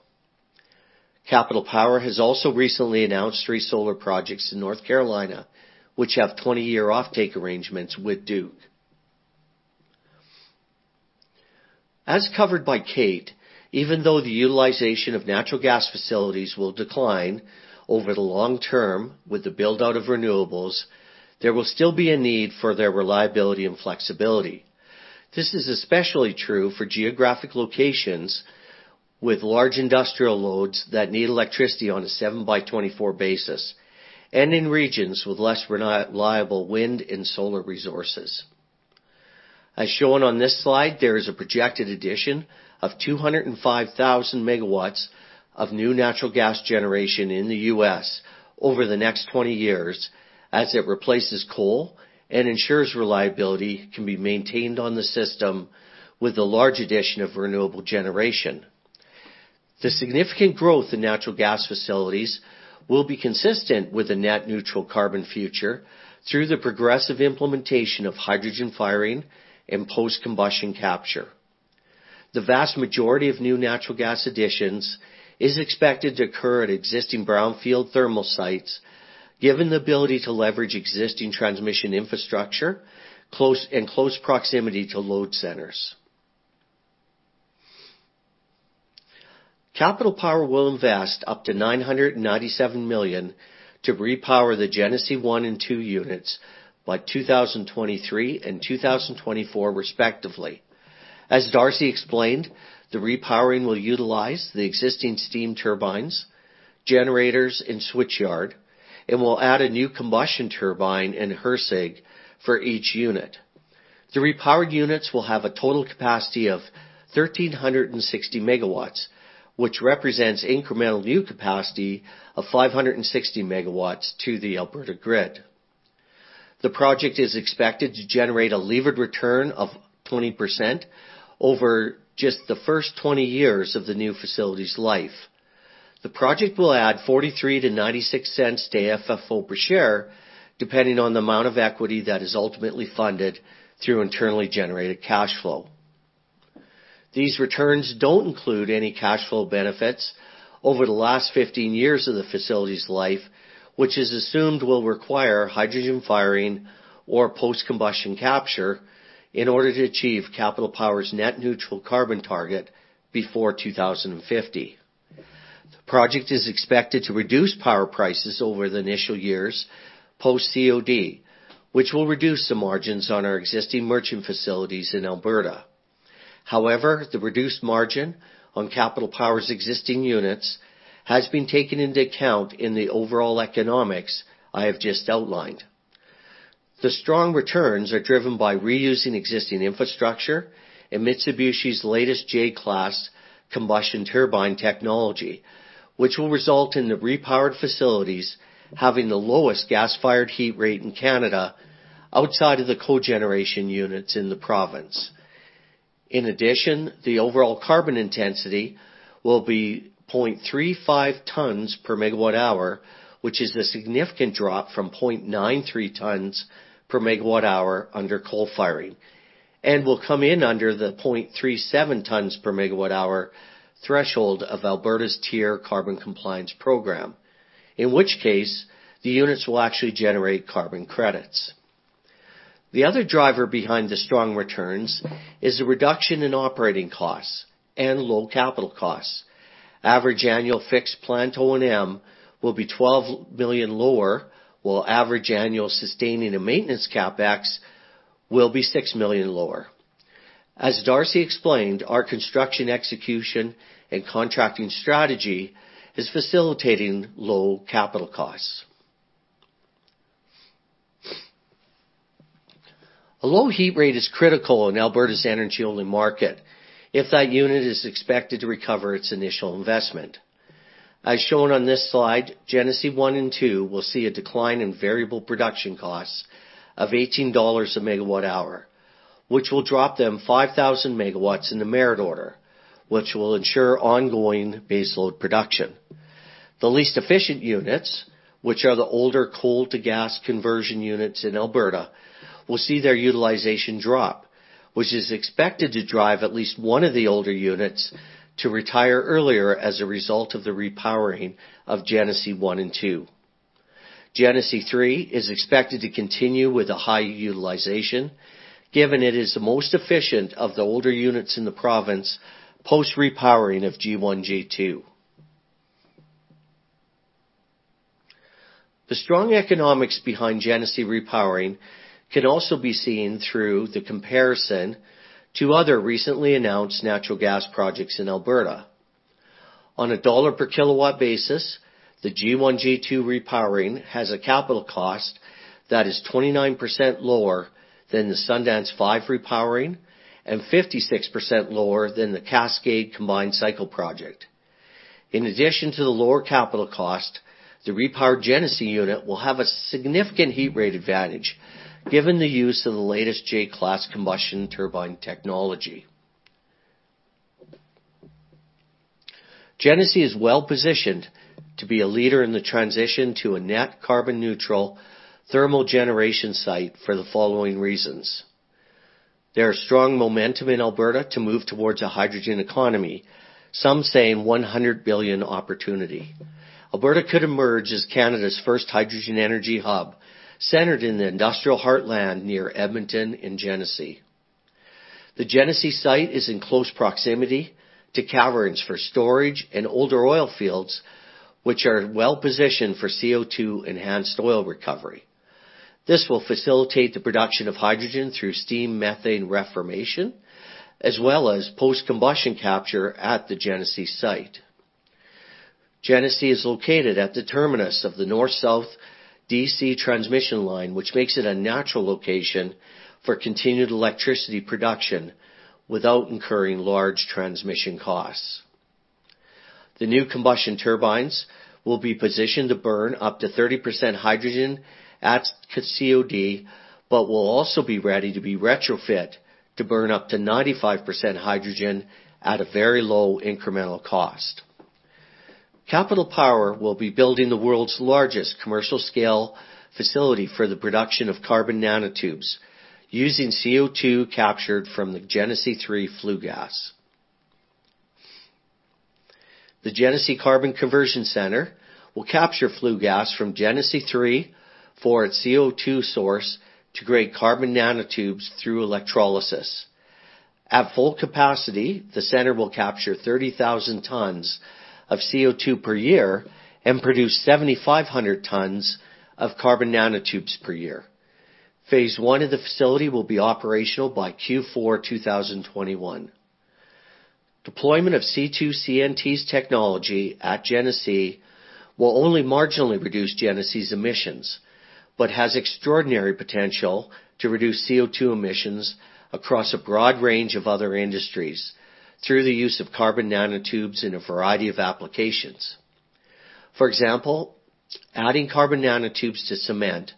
Speaker 5: Capital Power has also recently announced three solar projects in North Carolina, which have 20-year offtake arrangements with Duke. As covered by Kate, even though the utilization of natural gas facilities will decline over the long term with the build-out of renewables, there will still be a need for their reliability and flexibility. This is especially true for geographic locations with large industrial loads that need electricity on a seven by 24 basis, and in regions with less reliable wind and solar resources. As shown on this slide, there is a projected addition of 205,000 MW of new natural gas generation in the U.S. over the next 20 years as it replaces coal and ensures reliability can be maintained on the system with the large addition of renewable generation. The significant growth in natural gas facilities will be consistent with a net neutral carbon future through the progressive implementation of hydrogen firing and post-combustion capture. The vast majority of new natural gas additions is expected to occur at existing brownfield thermal sites, given the ability to leverage existing transmission infrastructure and close proximity to load centers. Capital Power will invest up to 997 million to repower the Genesee 1 and 2 units by 2023 and 2024 respectively. As Darcy explained, the repowering will utilize the existing steam turbines, generators, and switchyard, and will add a new combustion turbine and HRSG for each unit. The repowered units will have a total capacity of 1,360 MW, which represents incremental new capacity of 560 MW to the Alberta grid. The project is expected to generate a levered return of 20% over just the first 20 years of the new facility's life. The project will add 0.43-0.96 to AFFO per share, depending on the amount of equity that is ultimately funded through internally generated cash flow. These returns don't include any cash flow benefits over the last 15 years of the facility's life, which is assumed will require hydrogen firing or post-combustion capture in order to achieve Capital Power's net neutral carbon target before 2050. The project is expected to reduce power prices over the initial years post-COD, which will reduce the margins on our existing merchant facilities in Alberta. However, the reduced margin on Capital Power's existing units has been taken into account in the overall economics I have just outlined. The strong returns are driven by reusing existing infrastructure and Mitsubishi's latest J-Class combustion turbine technology, which will result in the repowered facilities having the lowest gas-fired heat rate in Canada, outside of the cogeneration units in the province. In addition, the overall carbon intensity will be 0.35 tons per megawatt hour, which is a significant drop from 0.93 tons per megawatt hour under coal firing, and will come in under the 0.37 tons per megawatt hour threshold of Alberta's TIER Carbon Compliance Program. In which case, the units will actually generate carbon credits. The other driver behind the strong returns is the reduction in operating costs and low capital costs. Average annual fixed plant O&M will be 12 million lower, while average annual sustaining and maintenance CapEx will be 6 million lower. As Darcy explained, our construction execution and contracting strategy is facilitating low capital costs. A low heat rate is critical in Alberta's energy-only market if that unit is expected to recover its initial investment. As shown on this slide, Genesee 1 and 2 will see a decline in variable production costs of 18 dollars a megawatt hour, which will drop them 5,000 MW in the merit order, which will ensure ongoing base load production. The least efficient units, which are the older coal-to-gas conversion units in Alberta, will see their utilization drop, which is expected to drive at least one of the older units to retire earlier as a result of the repowering of Genesee 1 and 2. Genesee 3 is expected to continue with a high utilization, given it is the most efficient of the older units in the province post-repowering of G1, G2. The strong economics behind Genesee repowering can also be seen through the comparison to other recently announced natural gas projects in Alberta. On a dollar-per-kilowatt basis, the G1, G2 repowering has a capital cost that is 29% lower than the Sundance Five repowering and 56% lower than the Cascade Power Project. In addition to the lower capital cost, the repowered Genesee unit will have a significant heat rate advantage given the use of the latest J-Class combustion turbine technology. Genesee is well-positioned to be a leader in the transition to a net carbon neutral thermal generation site for the following reasons. There are strong momentum in Alberta to move towards a hydrogen economy, some saying 100 billion opportunity. Alberta could emerge as Canada's first hydrogen energy hub, centered in the industrial heartland near Edmonton and Genesee. The Genesee site is in close proximity to caverns for storage and older oil fields, which are well-positioned for CO2-enhanced oil recovery. This will facilitate the production of hydrogen through steam-methane reformation, as well as post-combustion capture at the Genesee site. Genesee is located at the terminus of the North South DC transmission line, which makes it a natural location for continued electricity production without incurring large transmission costs. The new combustion turbines will be positioned to burn up to 30% hydrogen at COD, but will also be ready to be retrofit to burn up to 95% hydrogen at a very low incremental cost. Capital Power will be building the world's largest commercial-scale facility for the production of carbon nanotubes using CO2 captured from the Genesee 3 flue gas. The Genesee Carbon Conversion Centre will capture flue gas from Genesee 3 for its CO2 source to grade carbon nanotubes through electrolysis. At full capacity, the center will capture 30,000 tons of CO2 per year and produce 7,500 tons of carbon nanotubes per year. Phase I of the facility will be operational by Q4 2021. Deployment of C2CNT's technology at Genesee will only marginally reduce Genesee's emissions, but has extraordinary potential to reduce CO2 emissions across a broad range of other industries through the use of carbon nanotubes in a variety of applications. For example, adding carbon nanotubes to cement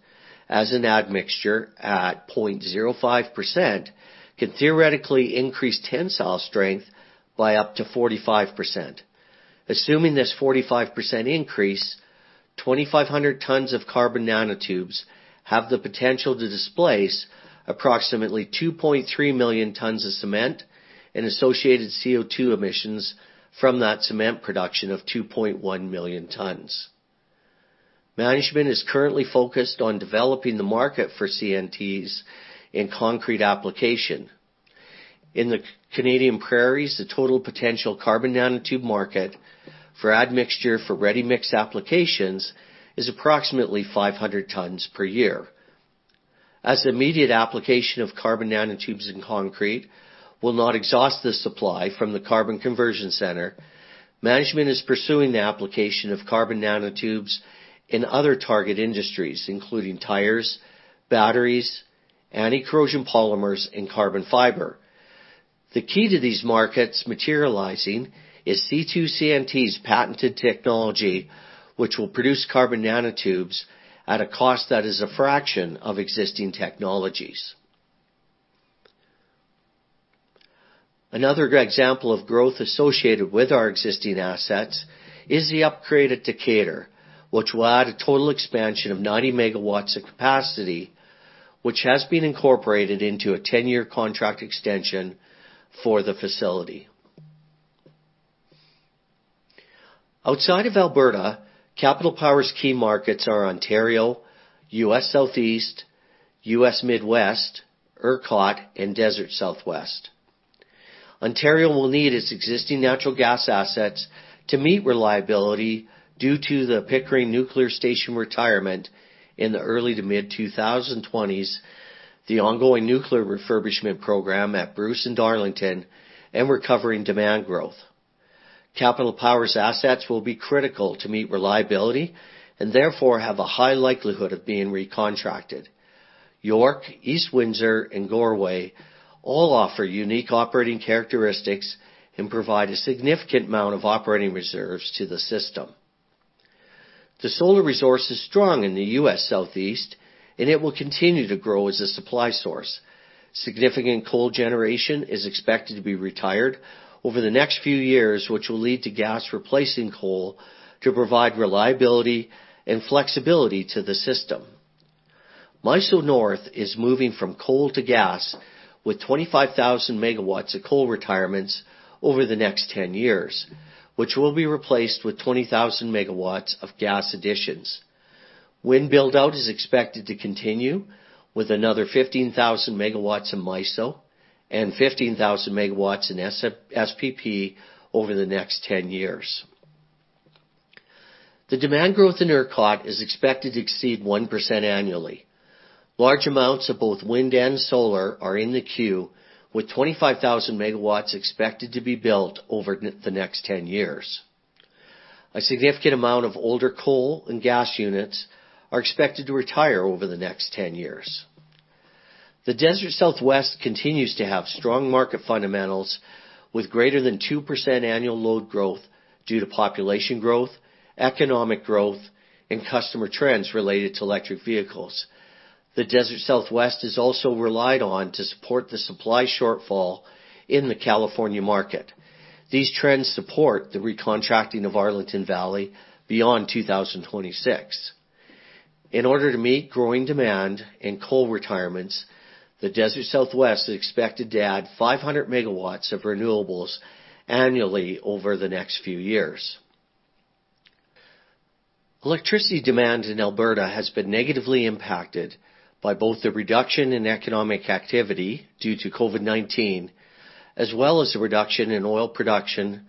Speaker 5: as an admixture at 0.05% can theoretically increase tensile strength by up to 45%. Assuming this 45% increase, 2,500 tons of carbon nanotubes have the potential to displace approximately 2.3 million tons of cement and associated CO2 emissions from that cement production of 2.1 million tons. Management is currently focused on developing the market for CNTs in concrete application. In the Canadian prairies, the total potential carbon nanotube market for admixture for ready-mix applications is approximately 500 tons per year. As the immediate application of carbon nanotubes in concrete will not exhaust the supply from the Carbon Conversion Center, management is pursuing the application of carbon nanotubes in other target industries, including tires, batteries, anti-corrosion polymers, and carbon fiber. The key to these markets materializing is C2CNT's patented technology, which will produce carbon nanotubes at a cost that is a fraction of existing technologies. Another great example of growth associated with our existing assets is the upgrade at Decatur, which will add a total expansion of 90 MW of capacity, which has been incorporated into a 10-year contract extension for the facility. Outside of Alberta, Capital Power's key markets are Ontario, U.S. Southeast, U.S. Midwest, ERCOT, and Desert Southwest. Ontario will need its existing natural gas assets to meet reliability due to the Pickering Nuclear Generating Station retirement in the early to mid-2020s, the ongoing nuclear refurbishment program at Bruce and Darlington, and recovering demand growth. Capital Power's assets will be critical to meet reliability and therefore have a high likelihood of being recontracted. York, East Windsor, and Goreway all offer unique operating characteristics and provide a significant amount of operating reserves to the system. The solar resource is strong in the U.S. Southeast, and it will continue to grow as a supply source. Significant coal generation is expected to be retired over the next few years, which will lead to gas replacing coal to provide reliability and flexibility to the system. MISO North is moving from coal to gas with 25,000 MW of coal retirements over the next 10 years, which will be replaced with 20,000 MW of gas additions. Wind build-out is expected to continue with another 15,000 MW in MISO and 15,000 MW in SPP over the next 10 years. The demand growth in ERCOT is expected to exceed 1% annually. Large amounts of both wind and solar are in the queue, with 25,000 MW expected to be built over the next 10 years. A significant amount of older coal and gas units are expected to retire over the next 10 years. The Desert Southwest continues to have strong market fundamentals with greater than 2% annual load growth due to population growth, economic growth, and customer trends related to electric vehicles. The Desert Southwest is also relied on to support the supply shortfall in the California market. These trends support the recontracting of Arlington Valley beyond 2026. In order to meet growing demand and coal retirements, the Desert Southwest is expected to add 500 MW of renewables annually over the next few years. Electricity demand in Alberta has been negatively impacted by both the reduction in economic activity due to COVID-19, as well as the reduction in oil production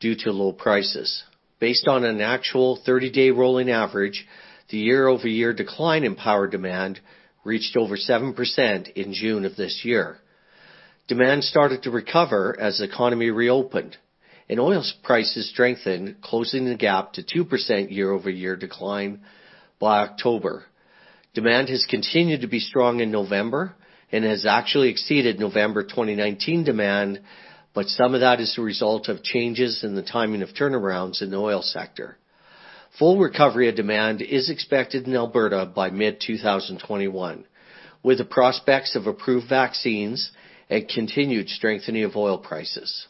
Speaker 5: due to low prices. Based on an actual 30-day rolling average, the year-over-year decline in power demand reached over 7% in June of this year. Demand started to recover as the economy reopened and oil prices strengthened, closing the gap to 2% year-over-year decline by October. Some of that is the result of changes in the timing of turnarounds in the oil sector. Full recovery of demand is expected in Alberta by mid-2021, with the prospects of approved vaccines and continued strengthening of oil prices.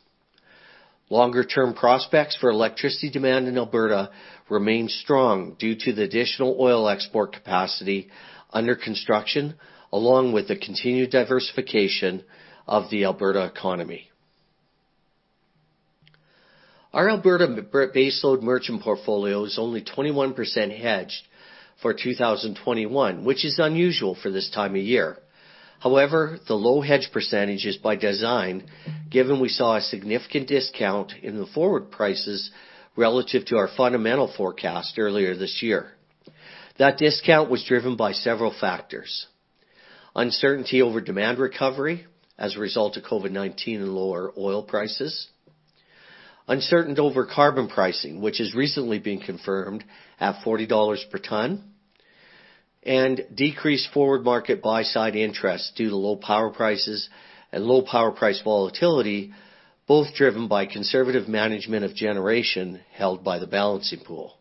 Speaker 5: Longer-term prospects for electricity demand in Alberta remain strong due to the additional oil export capacity under construction, along with the continued diversification of the Alberta economy. Our Alberta baseload merchant portfolio is only 21% hedged for 2021, which is unusual for this time of year. The low hedge percentage is by design, given we saw a significant discount in the forward prices relative to our fundamental forecast earlier this year. That discount was driven by several factors. Uncertainty over demand recovery as a result of COVID-19 and lower oil prices. Uncertainty over carbon pricing, which has recently been confirmed at 40 dollars per ton. Decreased forward market buy-side interest due to low power prices and low power price volatility, both driven by conservative management of generation held by the Balancing Pool.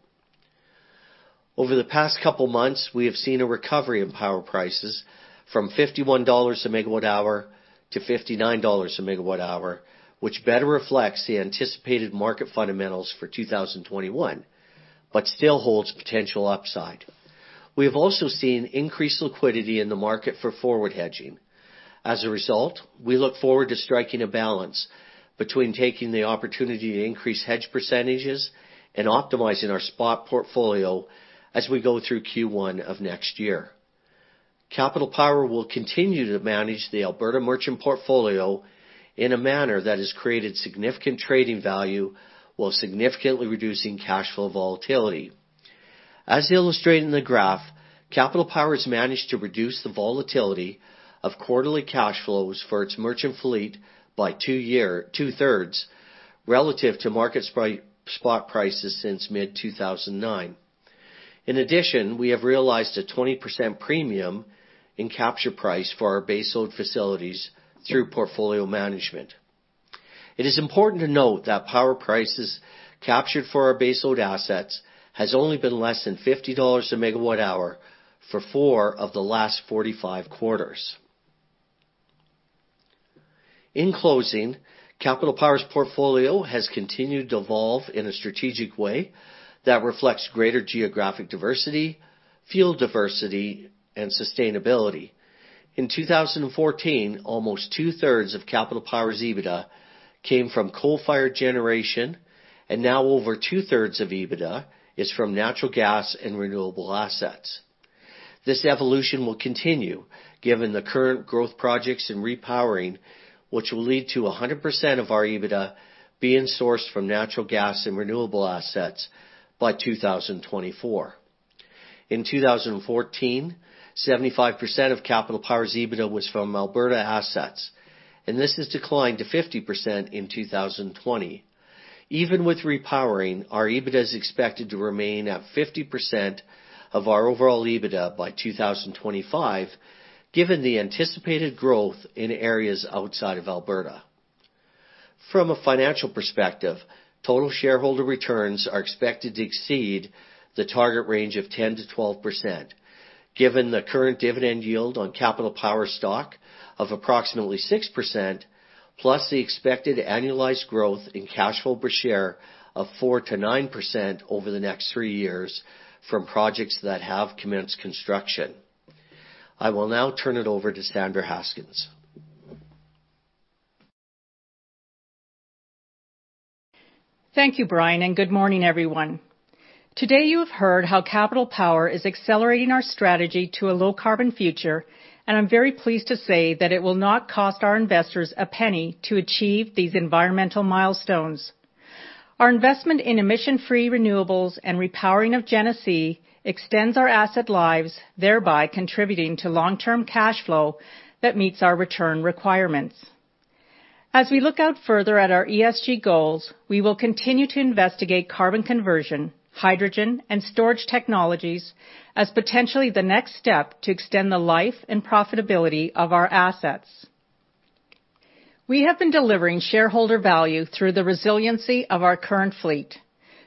Speaker 5: Over the past couple months, we have seen a recovery in power prices from 51 dollars a megawatt hour to 59 dollars a megawatt hour, which better reflects the anticipated market fundamentals for 2021, but still holds potential upside. We have also seen increased liquidity in the market for forward hedging. As a result, we look forward to striking a balance between taking the opportunity to increase hedge percentages and optimizing our spot portfolio as we go through Q1 of next year. Capital Power will continue to manage the Alberta merchant portfolio in a manner that has created significant trading value while significantly reducing cash flow volatility. As illustrated in the graph, Capital Power has managed to reduce the volatility of quarterly cash flows for its merchant fleet by two-thirds relative to market spot prices since mid-2009. In addition, we have realized a 20% premium in capture price for our baseload facilities through portfolio management. It is important to note that power prices captured for our baseload assets has only been less than 50 dollars a megawatt hour for four of the last 45 quarters. In closing, Capital Power's portfolio has continued to evolve in a strategic way that reflects greater geographic diversity, field diversity, and sustainability. In 2014, almost two-thirds of Capital Power's EBITDA came from coal-fired generation, and now over two-thirds of EBITDA is from natural gas and renewable assets. This evolution will continue given the current growth projects in repowering, which will lead to 100% of our EBITDA being sourced from natural gas and renewable assets by 2024. In 2014, 75% of Capital Power's EBITDA was from Alberta assets, and this has declined to 50% in 2020. Even with repowering, our EBITDA is expected to remain at 50% of our overall EBITDA by 2025, given the anticipated growth in areas outside of Alberta. From a financial perspective, total shareholder returns are expected to exceed the target range of 10%-12%, given the current dividend yield on Capital Power stock of approximately 6%, plus the expected annualized growth in cash flow per share of 4%-9% over the next three years from projects that have commenced construction. I will now turn it over to Sandra Haskins.
Speaker 6: Thank you, Bryan, and good morning, everyone. Today you have heard how Capital Power is accelerating our strategy to a low-carbon future, and I'm very pleased to say that it will not cost our investors a penny to achieve these environmental milestones. Our investment in emission-free renewables and repowering of Genesee extends our asset lives, thereby contributing to long-term cash flow that meets our return requirements. As we look out further at our ESG goals, we will continue to investigate carbon conversion, hydrogen, and storage technologies as potentially the next step to extend the life and profitability of our assets. We have been delivering shareholder value through the resiliency of our current fleet,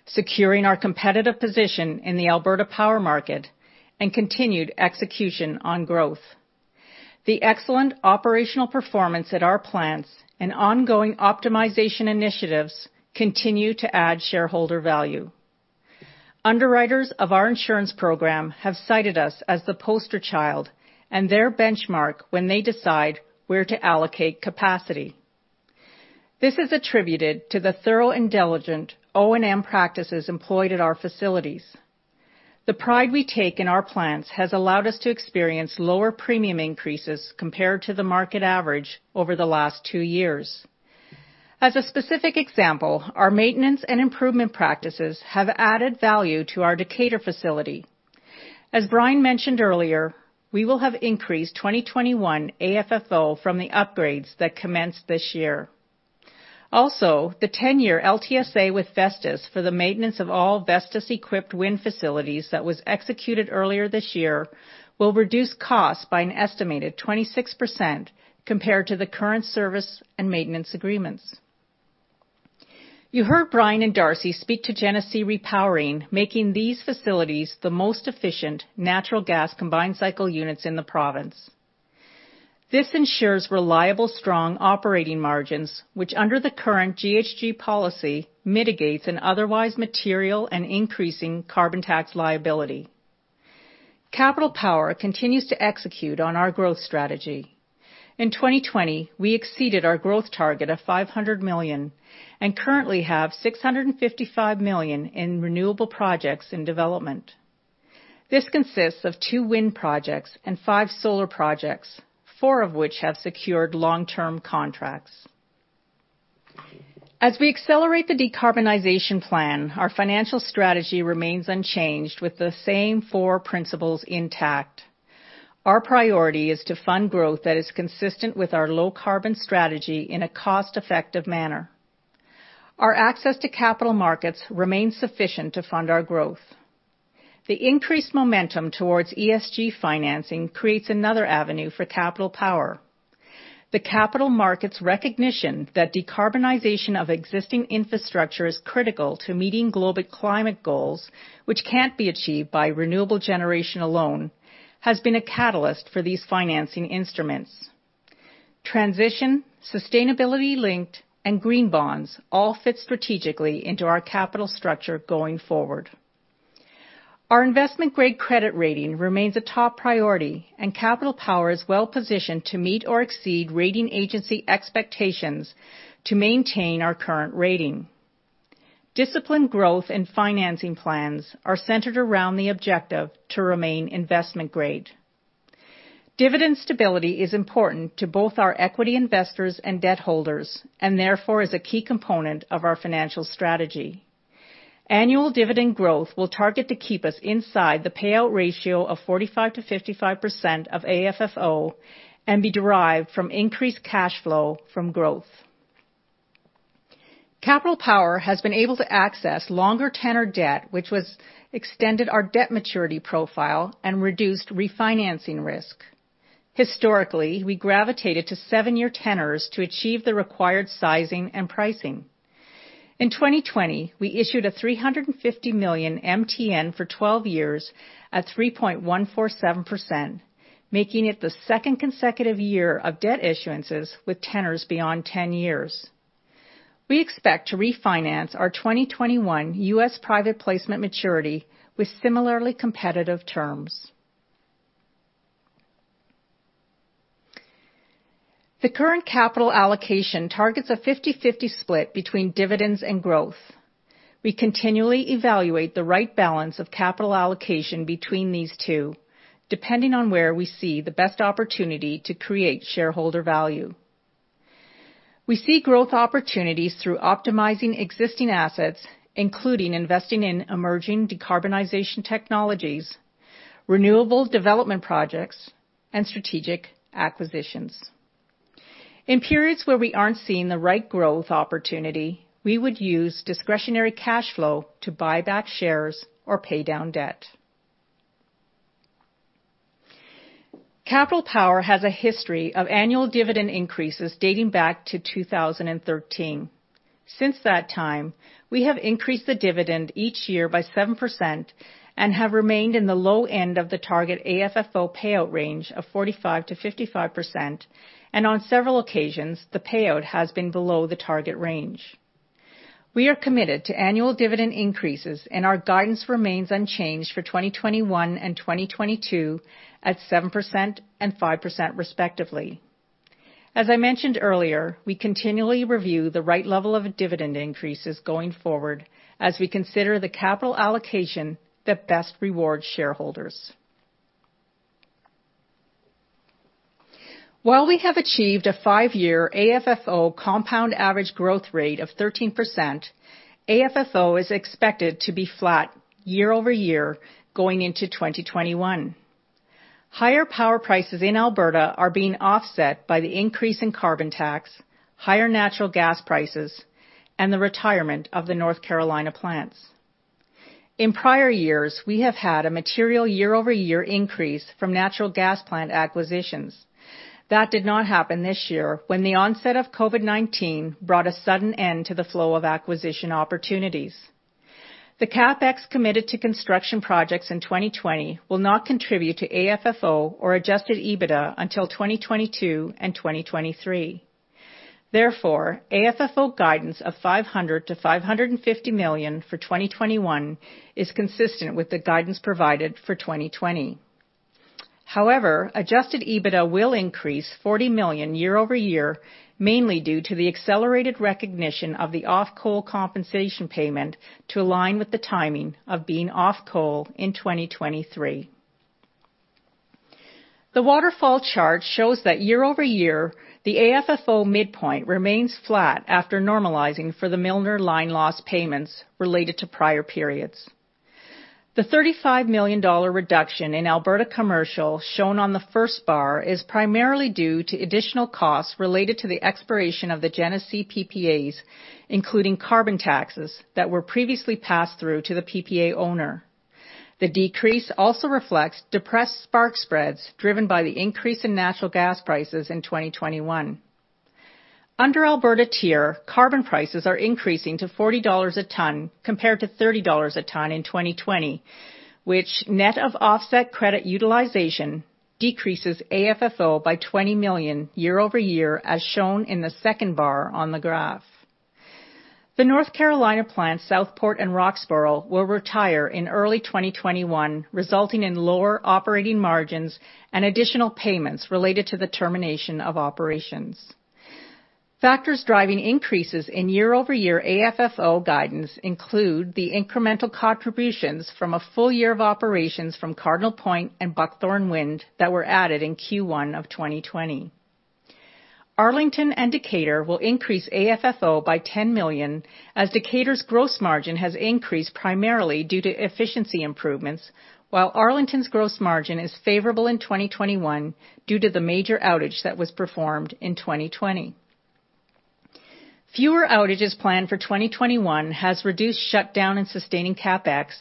Speaker 6: securing our competitive position in the Alberta Power Market, and continued execution on growth. The excellent operational performance at our plants and ongoing optimization initiatives continue to add shareholder value. Underwriters of our insurance program have cited us as the poster child and their benchmark when they decide where to allocate capacity. This is attributed to the thorough and diligent O&M practices employed at our facilities. The pride we take in our plants has allowed us to experience lower premium increases compared to the market average over the last two years. As a specific example, our maintenance and improvement practices have added value to our Decatur facility. As Bryan mentioned earlier, we will have increased 2021 AFFO from the upgrades that commenced this year. Also, the 10-year LTSA with Vestas for the maintenance of all Vestas-equipped wind facilities that was executed earlier this year will reduce costs by an estimated 26% compared to the current service and maintenance agreements. You heard Bryan and Darcy speak to Genesee repowering, making these facilities the most efficient natural gas combined cycle units in the province. This ensures reliable, strong operating margins, which under the current GHG policy, mitigates an otherwise material and increasing carbon tax liability. Capital Power continues to execute on our growth strategy. In 2020, we exceeded our growth target of 500 million, and currently have 655 million in renewable projects in development. This consists of two wind projects and five solar projects, four of which have secured long-term contracts. As we accelerate the decarbonization plan, our financial strategy remains unchanged with the same four principles intact. Our priority is to fund growth that is consistent with our low-carbon strategy in a cost-effective manner. Our access to capital markets remains sufficient to fund our growth. The increased momentum towards ESG financing creates another avenue for Capital Power. The capital markets' recognition that decarbonization of existing infrastructure is critical to meeting global climate goals, which can't be achieved by renewable generation alone, has been a catalyst for these financing instruments. Transition, sustainability-linked, and green bonds all fit strategically into our capital structure going forward. Our investment-grade credit rating remains a top priority, and Capital Power is well-positioned to meet or exceed rating agency expectations to maintain our current rating. Disciplined growth and financing plans are centered around the objective to remain investment-grade. Dividend stability is important to both our equity investors and debt holders, and therefore, is a key component of our financial strategy. Annual dividend growth will target to keep us inside the payout ratio of 45%-55% of AFFO, and be derived from increased cash flow from growth. Capital Power has been able to access longer-tenor debt, which has extended our debt maturity profile and reduced refinancing risk. Historically, we gravitated to seven-year tenors to achieve the required sizing and pricing. In 2020, we issued a 350 million MTN for 12 years at 3.147%, making it the second consecutive year of debt issuances with tenors beyond 10 years. We expect to refinance our 2021 U.S. private placement maturity with similarly competitive terms. The current capital allocation targets a 50/50 split between dividends and growth. We continually evaluate the right balance of capital allocation between these two, depending on where we see the best opportunity to create shareholder value. We see growth opportunities through optimizing existing assets, including investing in emerging decarbonization technologies, renewables development projects, and strategic acquisitions. In periods where we aren't seeing the right growth opportunity, we would use discretionary cash flow to buy back shares or pay down debt. Capital Power has a history of annual dividend increases dating back to 2013. Since that time, we have increased the dividend each year by 7% and have remained in the low end of the target AFFO payout range of 45%-55%, and on several occasions, the payout has been below the target range. We are committed to annual dividend increases, and our guidance remains unchanged for 2021 and 2022 at 7% and 5%, respectively. As I mentioned earlier, we continually review the right level of dividend increases going forward as we consider the capital allocation that best rewards shareholders. While we have achieved a five-year AFFO compound average growth rate of 13%, AFFO is expected to be flat year-over-year going into 2021. Higher power prices in Alberta are being offset by the increase in carbon tax, higher natural gas prices, and the retirement of the North Carolina plants. In prior years, we have had a material year-over-year increase from natural gas plant acquisitions. That did not happen this year when the onset of COVID-19 brought a sudden end to the flow of acquisition opportunities. The CapEx committed to construction projects in 2020 will not contribute to AFFO or adjusted EBITDA until 2022 and 2023. AFFO guidance of 500 million-550 million for 2021 is consistent with the guidance provided for 2020. Adjusted EBITDA will increase 40 million year-over-year, mainly due to the accelerated recognition of the off-coal compensation payment to align with the timing of being off coal in 2023. The waterfall chart shows that year-over-year, the AFFO midpoint remains flat after normalizing for the Milner line loss payments related to prior periods. The 35 million dollar reduction in Alberta commercial shown on the first bar is primarily due to additional costs related to the expiration of the Genesee PPAs, including carbon taxes that were previously passed through to the PPA owner. The decrease also reflects depressed spark spreads driven by the increase in natural gas prices in 2021. Under Alberta Tier, carbon prices are increasing to 40 dollars a ton compared to 30 dollars a ton in 2020, which net of offset credit utilization decreases AFFO by 20 million year-over-year, as shown in the second bar on the graph. The North Carolina plants, Southport and Roxboro, will retire in early 2021, resulting in lower operating margins and additional payments related to the termination of operations. Factors driving increases in year-over-year AFFO guidance include the incremental contributions from a full year of operations from Cardinal Point Wind and Buckthorn Wind that were added in Q1 of 2020. Arlington and Decatur will increase AFFO by 10 million, as Decatur's gross margin has increased primarily due to efficiency improvements, while Arlington's gross margin is favorable in 2021 due to the major outage that was performed in 2020. Fewer outages planned for 2021 has reduced shutdown and sustaining CapEx,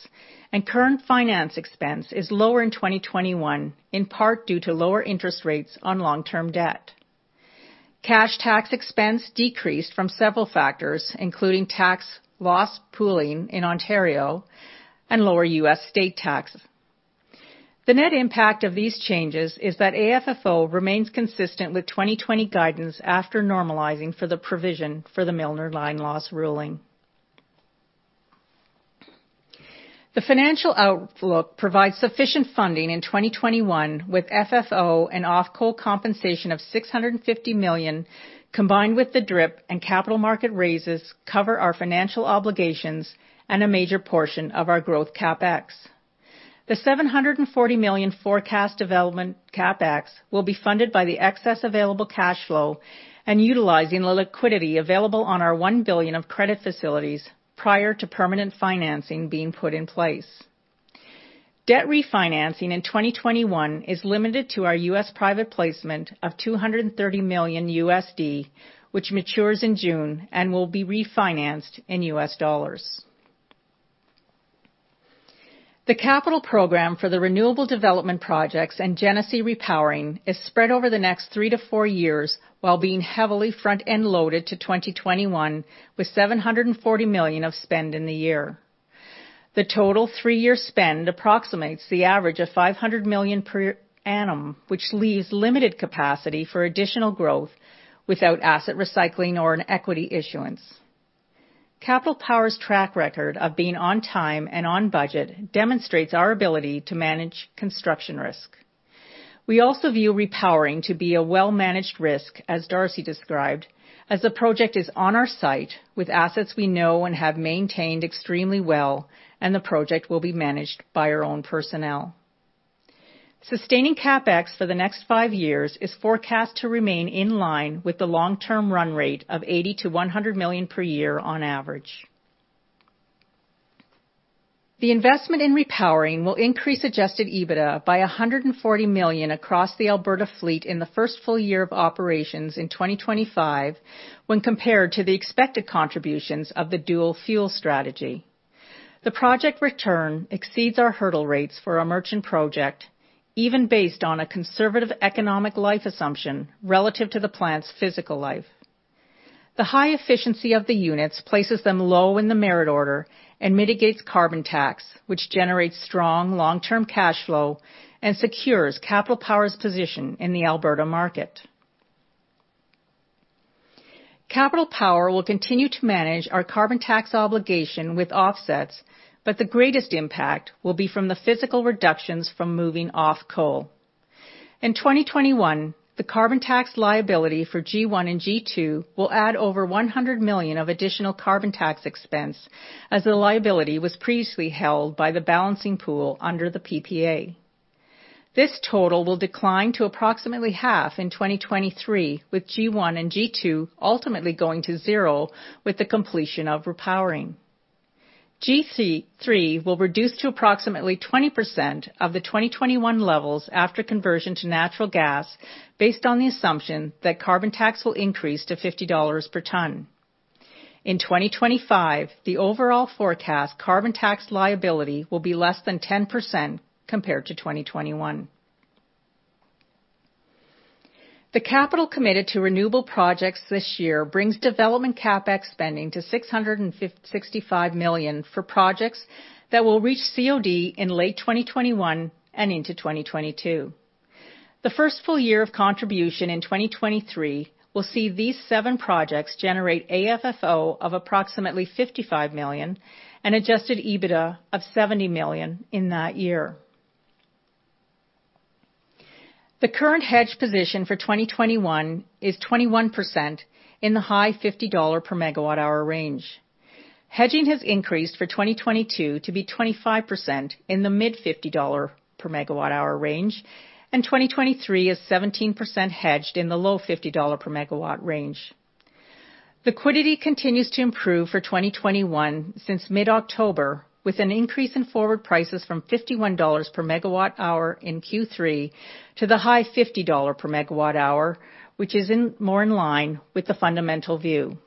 Speaker 6: and current finance expense is lower in 2021, in part due to lower interest rates on long-term debt. Cash tax expense decreased from several factors, including tax loss pooling in Ontario and lower U.S. state tax. The net impact of these changes is that AFFO remains consistent with 2020 guidance after normalizing for the provision for the Milner line loss ruling. The financial outlook provides sufficient funding in 2021 with FFO and off-coal compensation of 650 million, combined with the DRIP and capital market raises, cover our financial obligations and a major portion of our growth CapEx. The 740 million forecast development CapEx will be funded by the excess available cash flow and utilizing the liquidity available on our 1 billion of credit facilities prior to permanent financing being put in place. Debt refinancing in 2021 is limited to our U.S. private placement of $230 million, which matures in June and will be refinanced in U.S. dollars. The capital program for the renewable development projects and Genesee repowering is spread over the next three to four years while being heavily front-end loaded to 2021, with 740 million of spend in the year. The total three-year spend approximates the average of 500 million per annum, which leaves limited capacity for additional growth without asset recycling or an equity issuance. Capital Power's track record of being on time and on budget demonstrates our ability to manage construction risk. We also view repowering to be a well-managed risk, as Darcy described, as the project is on our site with assets we know and have maintained extremely well, and the project will be managed by our own personnel. Sustaining CapEx for the next five years is forecast to remain in line with the long-term run rate of 80 million-100 million per year on average. The investment in repowering will increase adjusted EBITDA by 140 million across the Alberta fleet in the first full year of operations in 2025 when compared to the expected contributions of the dual-fuel strategy. The project return exceeds our hurdle rates for our merchant project, even based on a conservative economic life assumption relative to the plant's physical life. The high efficiency of the units places them low in the merit order and mitigates carbon tax, which generates strong long-term cash flow and secures Capital Power's position in the Alberta market. Capital Power will continue to manage our carbon tax obligation with offsets, but the greatest impact will be from the physical reductions from moving off coal. In 2021, the carbon tax liability for G1 and G2 will add over 100 million of additional carbon tax expense as the liability was previously held by the Balancing Pool under the PPA. This total will decline to approximately half in 2023, with G1 and G2 ultimately going to zero with the completion of repowering. G3 will reduce to approximately 20% of the 2021 levels after conversion to natural gas, based on the assumption that carbon tax will increase to 50 dollars per ton. In 2025, the overall forecast carbon tax liability will be less than 10% compared to 2021. The capital committed to renewable projects this year brings development CapEx spending to 665 million for projects that will reach COD in late 2021 and into 2022. The first full year of contribution in 2023 will see these seven projects generate AFFO of approximately 55 million and adjusted EBITDA of 70 million in that year. The current hedge position for 2021 is 21% in the high 50 dollar per megawatt hour range. Hedging has increased for 2022 to be 25% in the mid-CAD 50 per megawatt hour range, and 2023 is 17% hedged in the low 50 dollar per megawatt range. Liquidity continues to improve for 2021 since mid-October, with an increase in forward prices from 51 dollars per MWh in Q3 to the high 50 dollar per MWh, which is more in line with the fundamental view.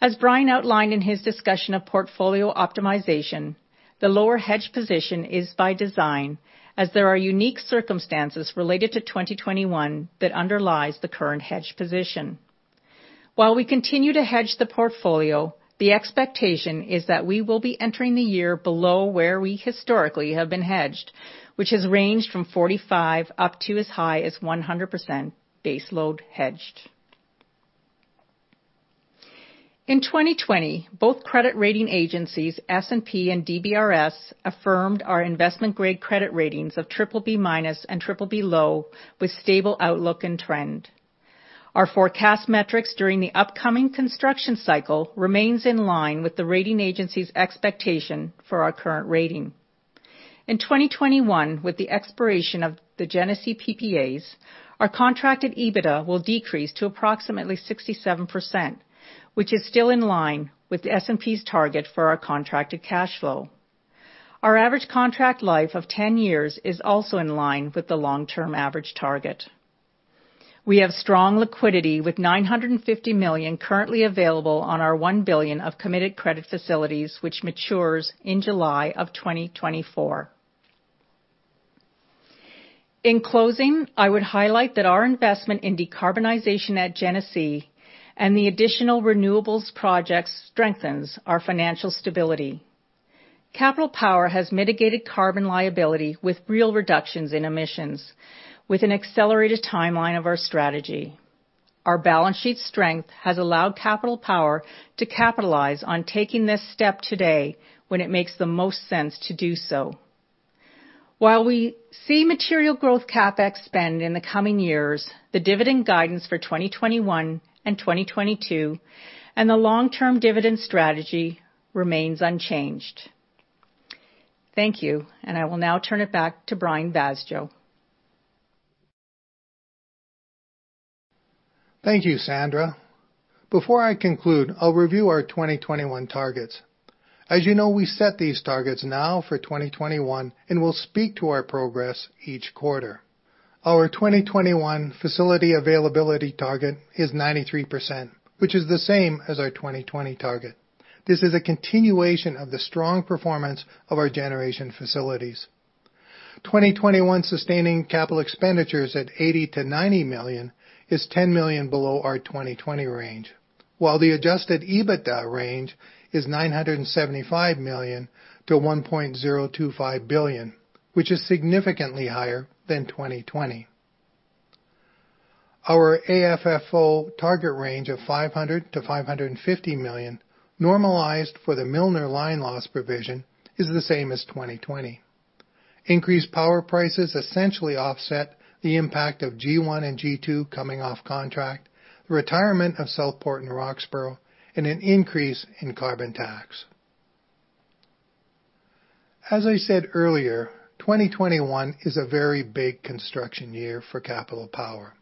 Speaker 6: As Brian outlined in his discussion of portfolio optimization, the lower hedge position is by design, as there are unique circumstances related to 2021 that underlies the current hedge position. While we continue to hedge the portfolio, the expectation is that we will be entering the year below where we historically have been hedged, which has ranged from 45% up to as high as 100% baseload hedged. In 2020, both credit rating agencies, S&P and DBRS, affirmed our investment-grade credit ratings of BBB- and BBB-, with stable outlook and trend. Our forecast metrics during the upcoming construction cycle remains in line with the rating agencies' expectation for our current rating. In 2021, with the expiration of the Genesee PPAs, our contracted EBITDA will decrease to approximately 67%, which is still in line with S&P's target for our contracted cash flow. Our average contract life of 10 years is also in line with the long-term average target. We have strong liquidity with 950 million currently available on our 1 billion of committed credit facilities, which matures in July of 2024. In closing, I would highlight that our investment in decarbonization at Genesee and the additional renewables projects strengthens our financial stability. Capital Power has mitigated carbon liability with real reductions in emissions with an accelerated timeline of our strategy. Our balance sheet strength has allowed Capital Power to capitalize on taking this step today when it makes the most sense to do so. While we see material growth CapEx spend in the coming years, the dividend guidance for 2021 and 2022 and the long-term dividend strategy remains unchanged. Thank you, and I will now turn it back to Brian Vaasjo.
Speaker 2: Thank you, Sandra. Before I conclude, I will review our 2021 targets. As you know, we set these targets now for 2021 and will speak to our progress each quarter. Our 2021 facility availability target is 93%, which is the same as our 2020 target. This is a continuation of the strong performance of our generation facilities. 2021 sustaining capital expenditures at 80 million-90 million is 10 million below our 2020 range. While the adjusted EBITDA range is 975 million-1.025 billion, which is significantly higher than 2020. Our AFFO target range of 500 million-550 million normalized for the Milner line loss provision is the same as 2020. Increased power prices essentially offset the impact of G1 and G2 coming off contract, the retirement of Southport and Roxboro, and an increase in carbon tax. As I said earlier, 2021 is a very big construction year for Capital Power,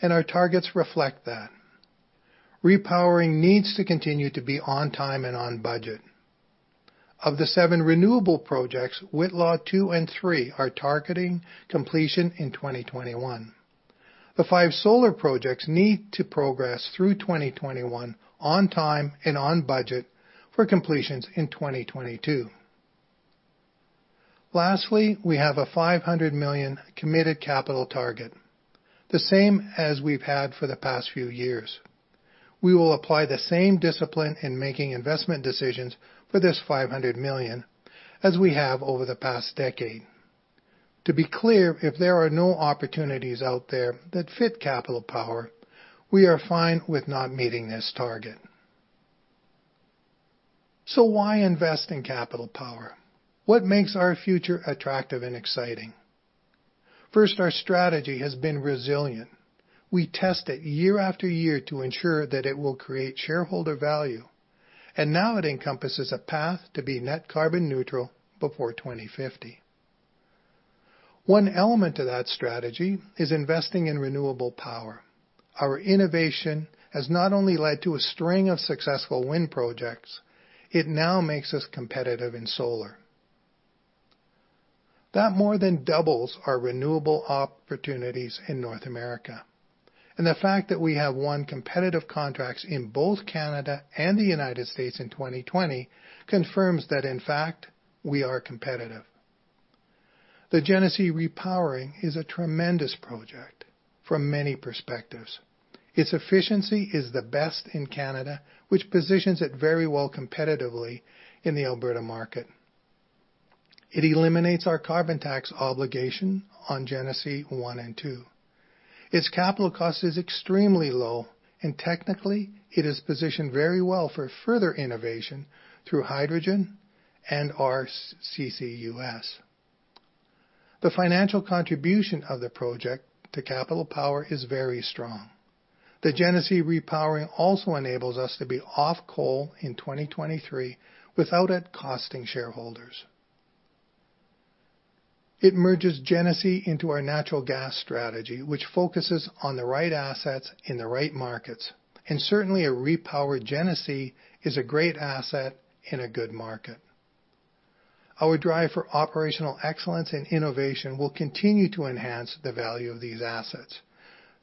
Speaker 2: and our targets reflect that. Repowering needs to continue to be on time and on budget. Of the seven renewable projects, Whitla 2 and 3 are targeting completion in 2021. The five solar projects need to progress through 2021 on time and on budget for completions in 2022. Lastly, we have a 500 million committed capital target, the same as we've had for the past few years. We will apply the same discipline in making investment decisions for this 500 million as we have over the past decade. To be clear, if there are no opportunities out there that fit Capital Power, we are fine with not meeting this target. Why invest in Capital Power? What makes our future attractive and exciting? First, our strategy has been resilient. We test it year after year to ensure that it will create shareholder value. Now it encompasses a path to be net carbon neutral before 2050. One element of that strategy is investing in renewable power. Our innovation has not only led to a string of successful wind projects, it now makes us competitive in solar. That more than doubles our renewable opportunities in North America. The fact that we have won competitive contracts in both Canada and the United States in 2020 confirms that, in fact, we are competitive. The Genesee Repowering is a tremendous project from many perspectives. Its efficiency is the best in Canada, which positions it very well competitively in the Alberta market. It eliminates our carbon tax obligation on Genesee one and two. Its capital cost is extremely low, and technically it is positioned very well for further innovation through hydrogen and our CCUS. The financial contribution of the project to Capital Power is very strong. The Genesee Repowering also enables us to be off coal in 2023 without it costing shareholders. It merges Genesee into our natural gas strategy, which focuses on the right assets in the right markets, and certainly a repowered Genesee is a great asset in a good market. Our drive for operational excellence and innovation will continue to enhance the value of these assets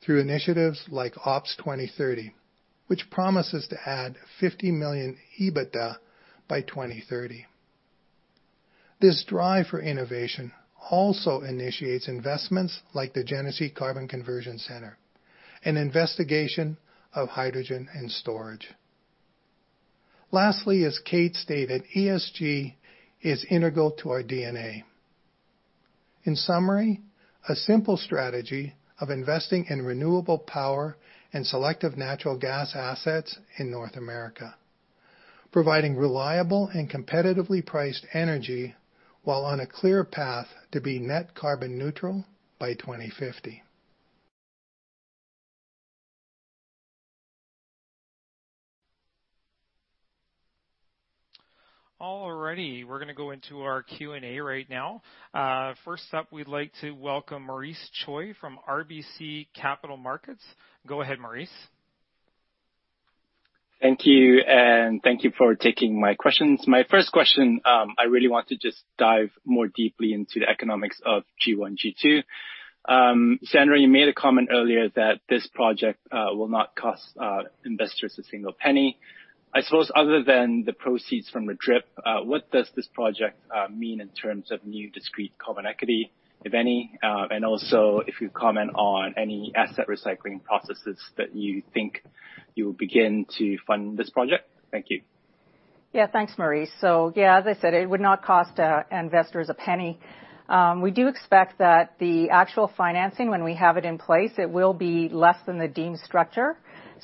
Speaker 2: through initiatives like Ops 2030, which promises to add 50 million EBITDA by 2030. This drive for innovation also initiates investments like the Genesee Carbon Conversion Centre and investigation of hydrogen and storage. Lastly, as Kate stated, ESG is integral to our DNA. In summary, a simple strategy of investing in renewable power and selective natural gas assets in North America, providing reliable and competitively priced energy while on a clear path to be net carbon neutral by 2050.
Speaker 1: We're going to go into our Q&A right now. First up, we'd like to welcome Maurice Choy from RBC Capital Markets. Go ahead, Maurice.
Speaker 7: Thank you, and thank you for taking my questions. My first question, I really want to just dive more deeply into the economics of G1, G2. Sandra, you made a comment earlier that this project will not cost investors a single penny. I suppose other than the proceeds from the DRIP, what does this project mean in terms of new discrete common equity, if any? Also, if you'd comment on any asset recycling processes that you think you will begin to fund this project. Thank you.
Speaker 6: Thanks, Maurice. As I said, it would not cost investors a penny. We do expect that the actual financing, when we have it in place, it will be less than the deemed structure.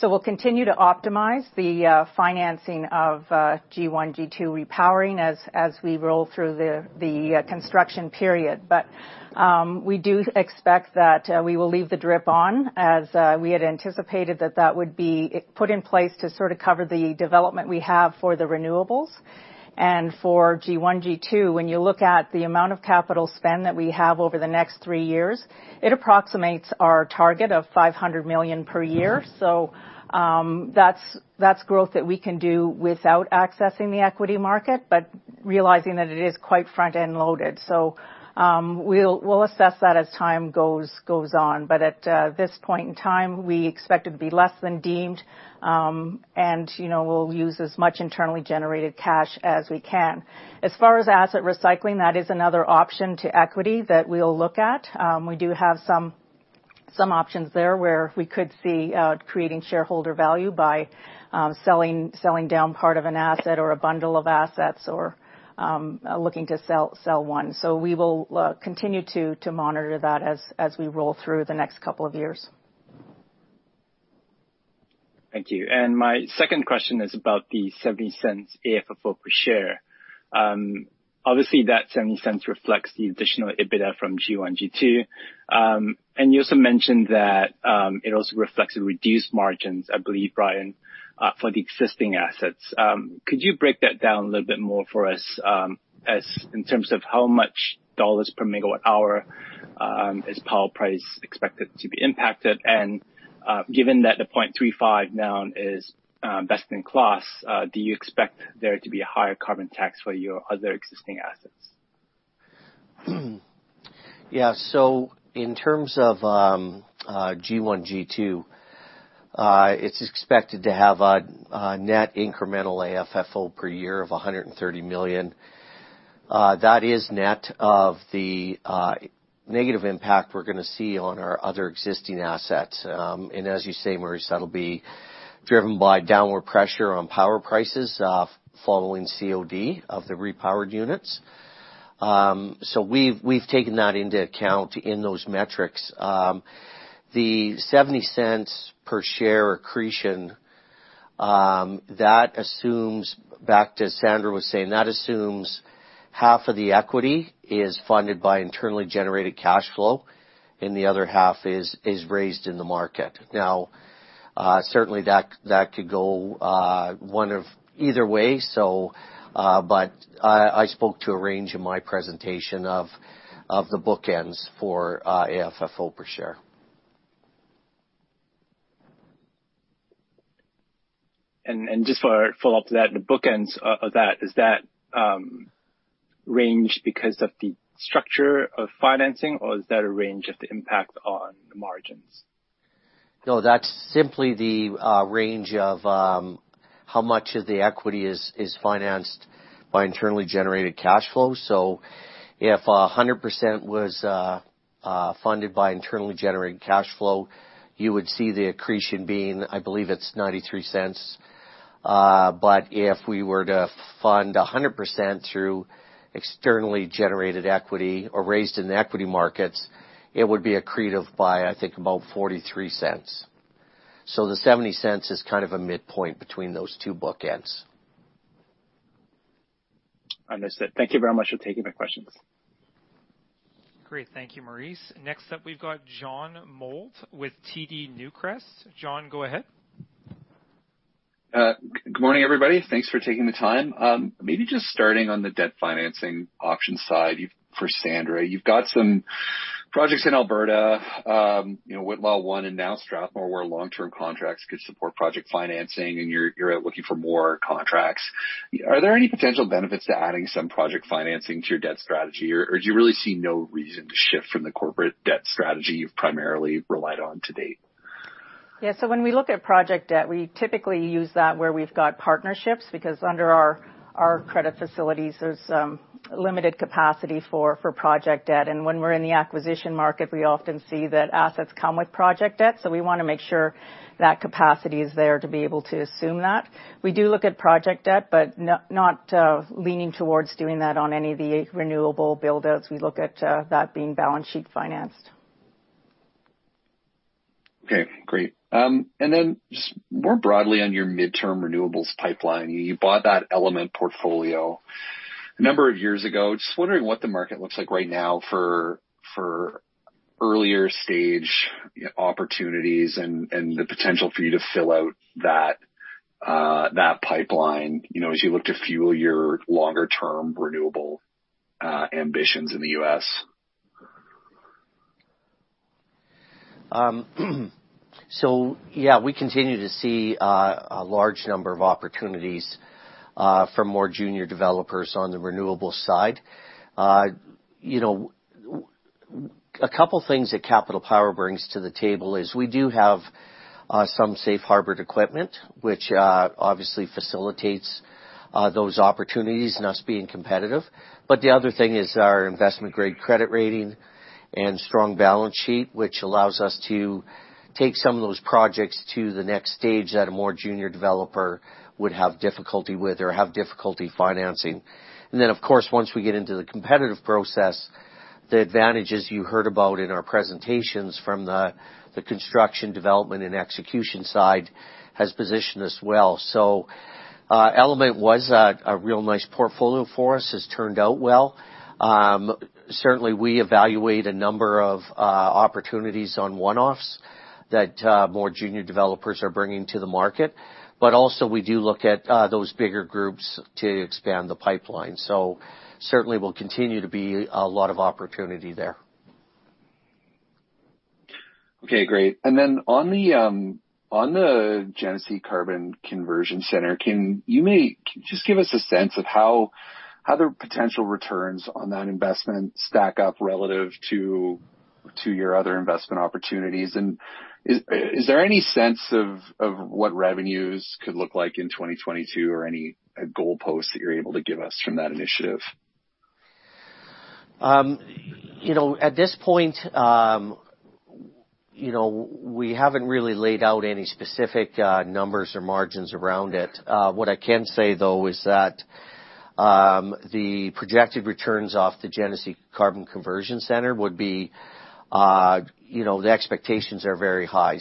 Speaker 6: We'll continue to optimize the financing of G1, G2 repowering as we roll through the construction period. We do expect that we will leave the DRIP on as we had anticipated that that would be put in place to sort of cover the development we have for the renewables. For G1, G2, when you look at the amount of capital spend that we have over the next three years, it approximates our target of 500 million per year. That's growth that we can do without accessing the equity market, but realizing that it is quite front-end loaded. We'll assess that as time goes on. At this point in time, we expect it to be less than deemed, and we'll use as much internally generated cash as we can. As far as asset recycling, that is another option to equity that we'll look at. We do have some options there, where we could see creating shareholder value by selling down part of an asset or a bundle of assets or looking to sell one. We will continue to monitor that as we roll through the next couple of years.
Speaker 7: Thank you. My second question is about the 0.70 AFFO per share. Obviously, that 0.70 reflects the additional EBITDA from G1, G2. You also mentioned that it also reflects the reduced margins, I believe, Brian, for the existing assets. Could you break that down a little bit more for us in terms of how much CAD per megawatt hour is power price expected to be impacted? Given that the 0.35 now is best in class, do you expect there to be a higher carbon tax for your other existing assets?
Speaker 5: Yeah. In terms of G1, G2, it's expected to have a net incremental AFFO per year of 130 million. That is net of the negative impact we're going to see on our other existing assets. As you say, Maurice, that'll be driven by downward pressure on power prices following COD of the repowered units. We've taken that into account in those metrics. The 0.70 per share accretion, back to Sandra was saying, that assumes half of the equity is funded by internally generated cash flow and the other half is raised in the market. Now, certainly that could go either way. I spoke to a range in my presentation of the bookends for AFFO per share.
Speaker 7: Just for a follow-up to that, the bookends of that, is that range because of the structure of financing or is that a range of the impact on the margins?
Speaker 5: No. That's simply the range of how much of the equity is financed by internally generated cash flow. If 100% was funded by internally generated cash flow, you would see the accretion being, I believe it's 0.93. If we were to fund 100% through externally generated equity or raised in the equity markets, it would be accretive by, I think, about 0.43. The 0.70 is kind of a midpoint between those two bookends.
Speaker 7: Understood. Thank you very much for taking my questions.
Speaker 1: Great. Thank you, Maurice. Next up we've got John Mould with TD Newcrest. John, go ahead.
Speaker 8: Good morning, everybody. Thanks for taking the time. Maybe just starting on the debt financing option side for Sandra. You've got some projects in Alberta, Whitla 1 and now Strathmore, where long-term contracts could support project financing, and you're out looking for more contracts. Are there any potential benefits to adding some project financing to your debt strategy, or do you really see no reason to shift from the corporate debt strategy you've primarily relied on to date?
Speaker 6: Yeah. When we look at project debt, we typically use that where we've got partnerships, because under our credit facilities, there's limited capacity for project debt. When we're in the acquisition market, we often see that assets come with project debt. We want to make sure that capacity is there to be able to assume that. We do look at project debt, but not leaning towards doing that on any of the renewable build-outs. We look at that being balance sheet financed.
Speaker 8: Okay, great. Just more broadly on your midterm renewables pipeline, you bought that Element portfolio a number of years ago. Just wondering what the market looks like right now for earlier stage opportunities and the potential for you to fill out that pipeline, as you look to fuel your longer-term renewable ambitions in the U.S.
Speaker 5: Yeah, we continue to see a large number of opportunities from more junior developers on the renewables side. A couple things that Capital Power brings to the table is we do have some safe harbored equipment, which obviously facilitates those opportunities and us being competitive. The other thing is our investment-grade credit rating and strong balance sheet, which allows us to take some of those projects to the next stage that a more junior developer would have difficulty with or have difficulty financing. Then, of course, once we get into the competitive process, the advantages you heard about in our presentations from the construction, development, and execution side has positioned us well. Element was a real nice portfolio for us. It's turned out well. Certainly, we evaluate a number of opportunities on one-offs that more junior developers are bringing to the market. Also we do look at those bigger groups to expand the pipeline. Certainly will continue to be a lot of opportunity there.
Speaker 8: Okay, great. Then on the Genesee Carbon Conversion Centre, can you maybe just give us a sense of how the potential returns on that investment stack up relative to your other investment opportunities? Is there any sense of what revenues could look like in 2022 or any goalposts that you're able to give us from that initiative?
Speaker 5: At this point, we haven't really laid out any specific numbers or margins around it. What I can say, though, is that the projected returns off the Genesee Carbon Conversion Centre. The expectations are very high.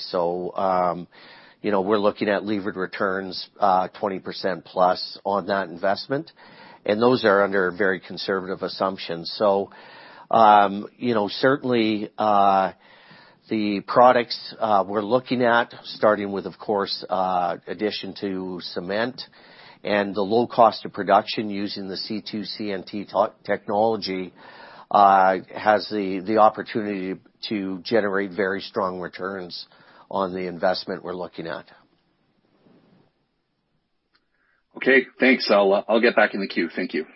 Speaker 5: We're looking at levered returns 20%+ on that investment, and those are under very conservative assumptions. Certainly, the products we're looking at, starting with, of course, addition to cement and the low cost of production using the C2CNT technology, has the opportunity to generate very strong returns on the investment we're looking at.
Speaker 8: Okay, thanks. I'll get back in the queue. Thank you.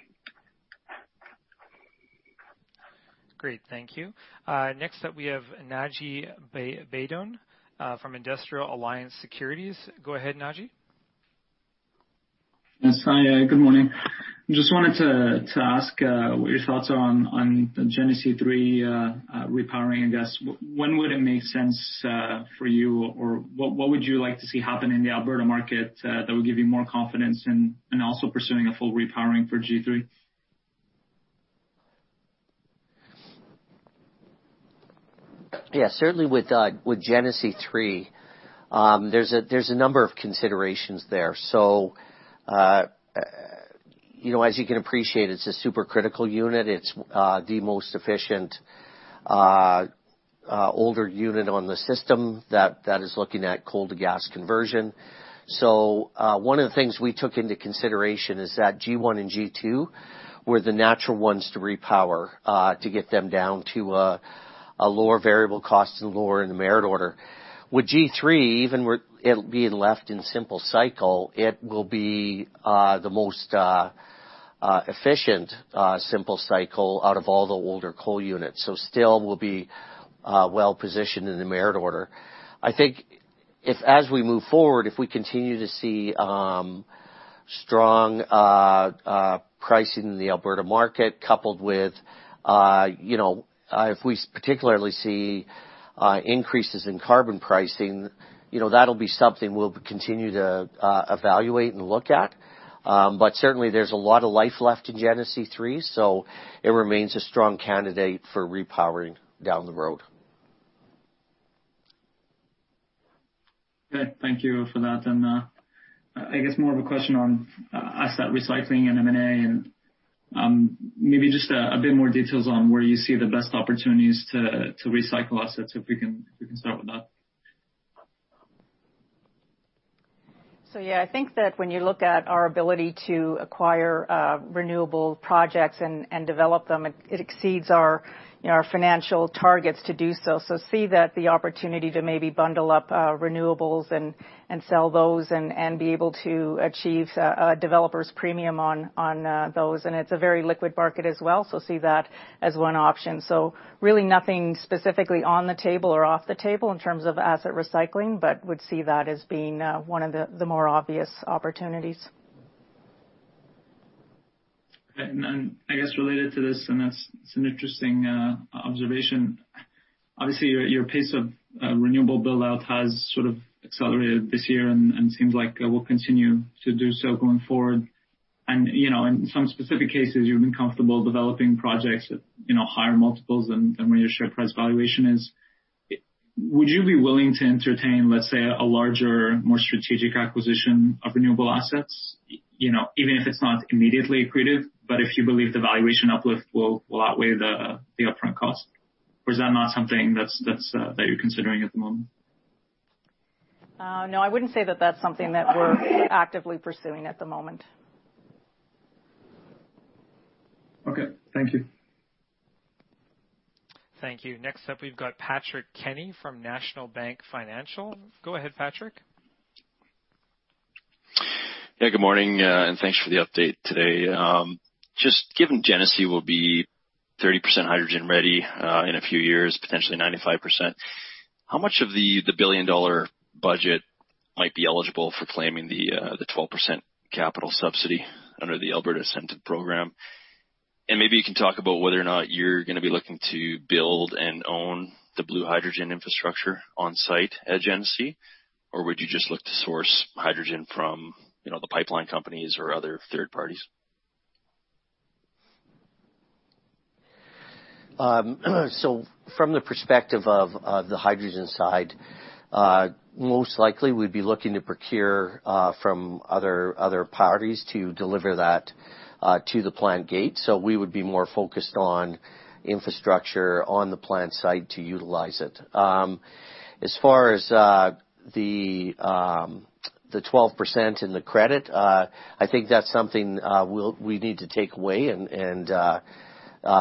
Speaker 1: Great. Thank you. Next up, we have Naji Badran from Industrial Alliance Securities. Go ahead, Naji.
Speaker 9: Yes. Hi, good morning. Just wanted to ask what your thoughts are on the Genesee 3 repowering and gas. When would it make sense for you, or what would you like to see happen in the Alberta market that would give you more confidence in also pursuing a full repowering for G3?
Speaker 5: Yeah, certainly with Genesee 3, there's a number of considerations there. As you can appreciate, it's a supercritical unit. It's the most efficient older unit on the system that is looking at coal to gas conversion. One of the things we took into consideration is that G1 and G2 were the natural ones to repower, to get them down to a lower variable cost and lower in the merit order. With G3, even with it being left in simple cycle, it will be the most efficient simple cycle out of all the older coal units. Still will be well-positioned in the merit order. I think if as we move forward, if we continue to see strong pricing in the Alberta market, coupled with if we particularly see increases in carbon pricing, that'll be something we'll continue to evaluate and look at. Certainly, there's a lot of life left in Genesee 3, so it remains a strong candidate for repowering down the road.
Speaker 9: Okay, thank you for that. I guess more of a question on asset recycling and M&A and maybe just a bit more details on where you see the best opportunities to recycle assets, if we can start with that.
Speaker 6: Yeah, I think that when you look at our ability to acquire renewable projects and develop them, it exceeds our financial targets to do so. See that the opportunity to maybe bundle up renewables and sell those and be able to achieve a developer's premium on those. It's a very liquid market as well. See that as one option. Really nothing specifically on the table or off the table in terms of asset recycling, but would see that as being one of the more obvious opportunities.
Speaker 9: Okay. I guess related to this, and that's an interesting observation. Obviously, your pace of renewable build-out has sort of accelerated this year and seems like it will continue to do so going forward. In some specific cases, you've been comfortable developing projects at higher multiples than what your share price valuation is. Would you be willing to entertain, let's say, a larger, more strategic acquisition of renewable assets? Even if it's not immediately accretive, but if you believe the valuation uplift will outweigh the upfront cost. Is that not something that you're considering at the moment?
Speaker 6: No, I wouldn't say that that's something that we're actively pursuing at the moment.
Speaker 9: Okay. Thank you.
Speaker 1: Thank you. Next up, we've got Patrick Kenny from National Bank Financial. Go ahead, Patrick.
Speaker 10: Yeah, good morning, and thanks for the update today. Just given Genesee will be 30% hydrogen-ready in a few years, potentially 95%, how much of the billion-dollar budget might be eligible for claiming the 12% capital subsidy under the Alberta Ascent program? Maybe you can talk about whether or not you're going to be looking to build and own the blue hydrogen infrastructure on site at Genesee, or would you just look to source hydrogen from the pipeline companies or other third parties?
Speaker 5: From the perspective of the hydrogen side, most likely, we'd be looking to procure from other parties to deliver that to the plant gate. We would be more focused on infrastructure on the plant site to utilize it. As far as the 12% and the credit, I think that's something we need to take away and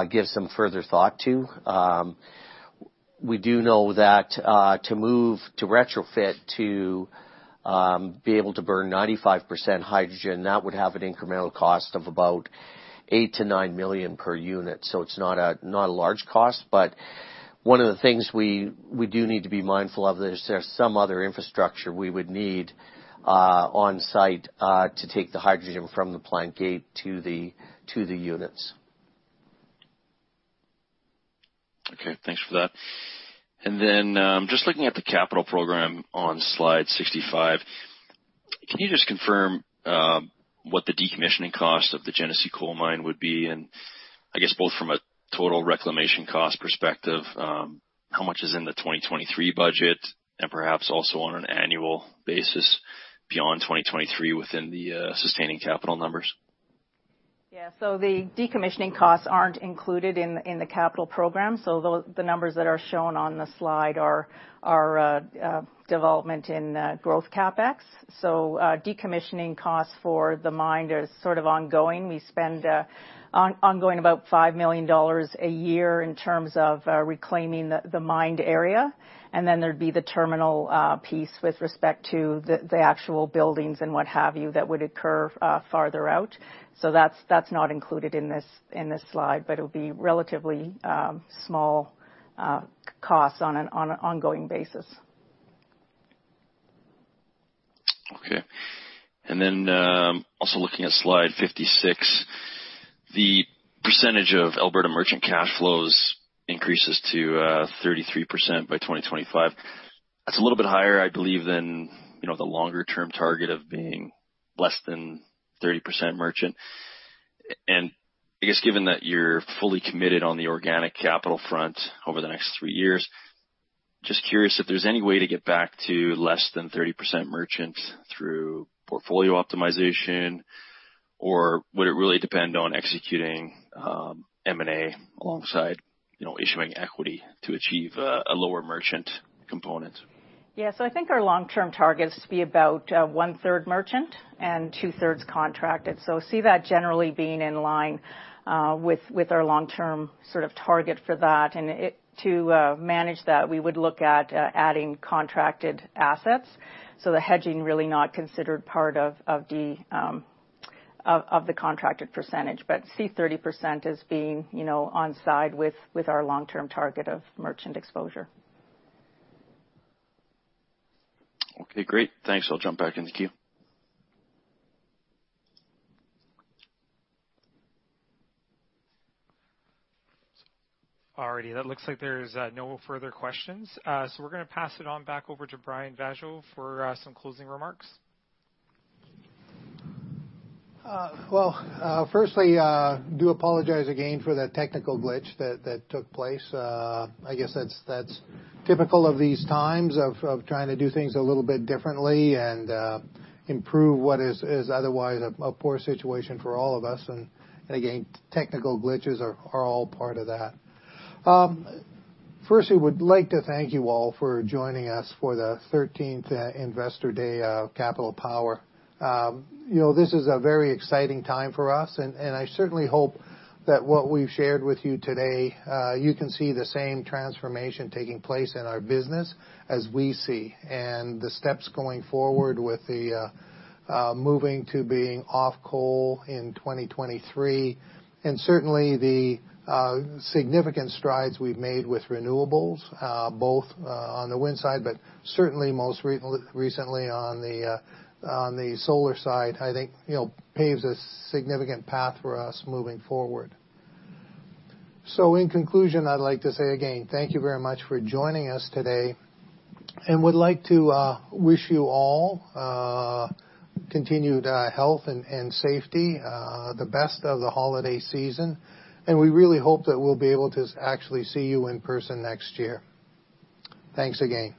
Speaker 5: give some further thought to. We do know that to move to retrofit to be able to burn 95% hydrogen, that would have an incremental cost of about 8 million-9 million per unit. It's not a large cost, but one of the things we do need to be mindful of is there's some other infrastructure we would need on site to take the hydrogen from the plant gate to the units.
Speaker 10: Okay, thanks for that. Just looking at the capital program on slide 65, can you just confirm what the decommissioning cost of the Genesee coal mine would be, and I guess, both from a total reclamation cost perspective, how much is in the 2023 budget, and perhaps also on an annual basis beyond 2023 within the sustaining capital numbers?
Speaker 6: Yeah. The decommissioning costs aren't included in the capital program. The numbers that are shown on the slide are development in growth CapEx. Decommissioning costs for the mine are sort of ongoing. We spend ongoing about 5 million dollars a year in terms of reclaiming the mined area. There'd be the terminal piece with respect to the actual buildings and what have you that would occur farther out. That's not included in this slide, but it would be relatively small costs on an ongoing basis.
Speaker 10: Okay. Then also looking at slide 56, the percentage of Alberta merchant cash flows increases to 33% by 2025. That's a little bit higher, I believe, than the longer-term target of being less than 30% merchant. I guess given that you're fully committed on the organic capital front over the next three years, just curious if there's any way to get back to less than 30% merchant through portfolio optimization, or would it really depend on executing M&A alongside issuing equity to achieve a lower merchant component?
Speaker 6: I think our long-term target is to be about one-third merchant and two-thirds contracted. See that generally being in line with our long-term sort of target for that. To manage that, we would look at adding contracted assets. The hedging really not considered part of the contracted percentage. See 30% as being on side with our long-term target of merchant exposure.
Speaker 10: Okay, great. Thanks. I'll jump back in the queue.
Speaker 1: All righty, that looks like there's no further questions. We're going to pass it on back over to Brian Vaasjo for some closing remarks.
Speaker 2: Well, firstly, do apologize again for that technical glitch that took place. I guess that's typical of these times of trying to do things a little bit differently and improve what is otherwise a poor situation for all of us. Again, technical glitches are all part of that. Firstly, would like to thank you all for joining us for the 13th Investor Day of Capital Power. This is a very exciting time for us. I certainly hope that what we've shared with you today, you can see the same transformation taking place in our business as we see. The steps going forward with the moving to being off coal in 2023, and certainly the significant strides we've made with renewables, both on the wind side, but certainly most recently on the solar side, I think, paves a significant path for us moving forward. In conclusion, I'd like to say again, thank you very much for joining us today, and would like to wish you all continued health and safety, the best of the holiday season. We really hope that we'll be able to actually see you in person next year. Thanks again.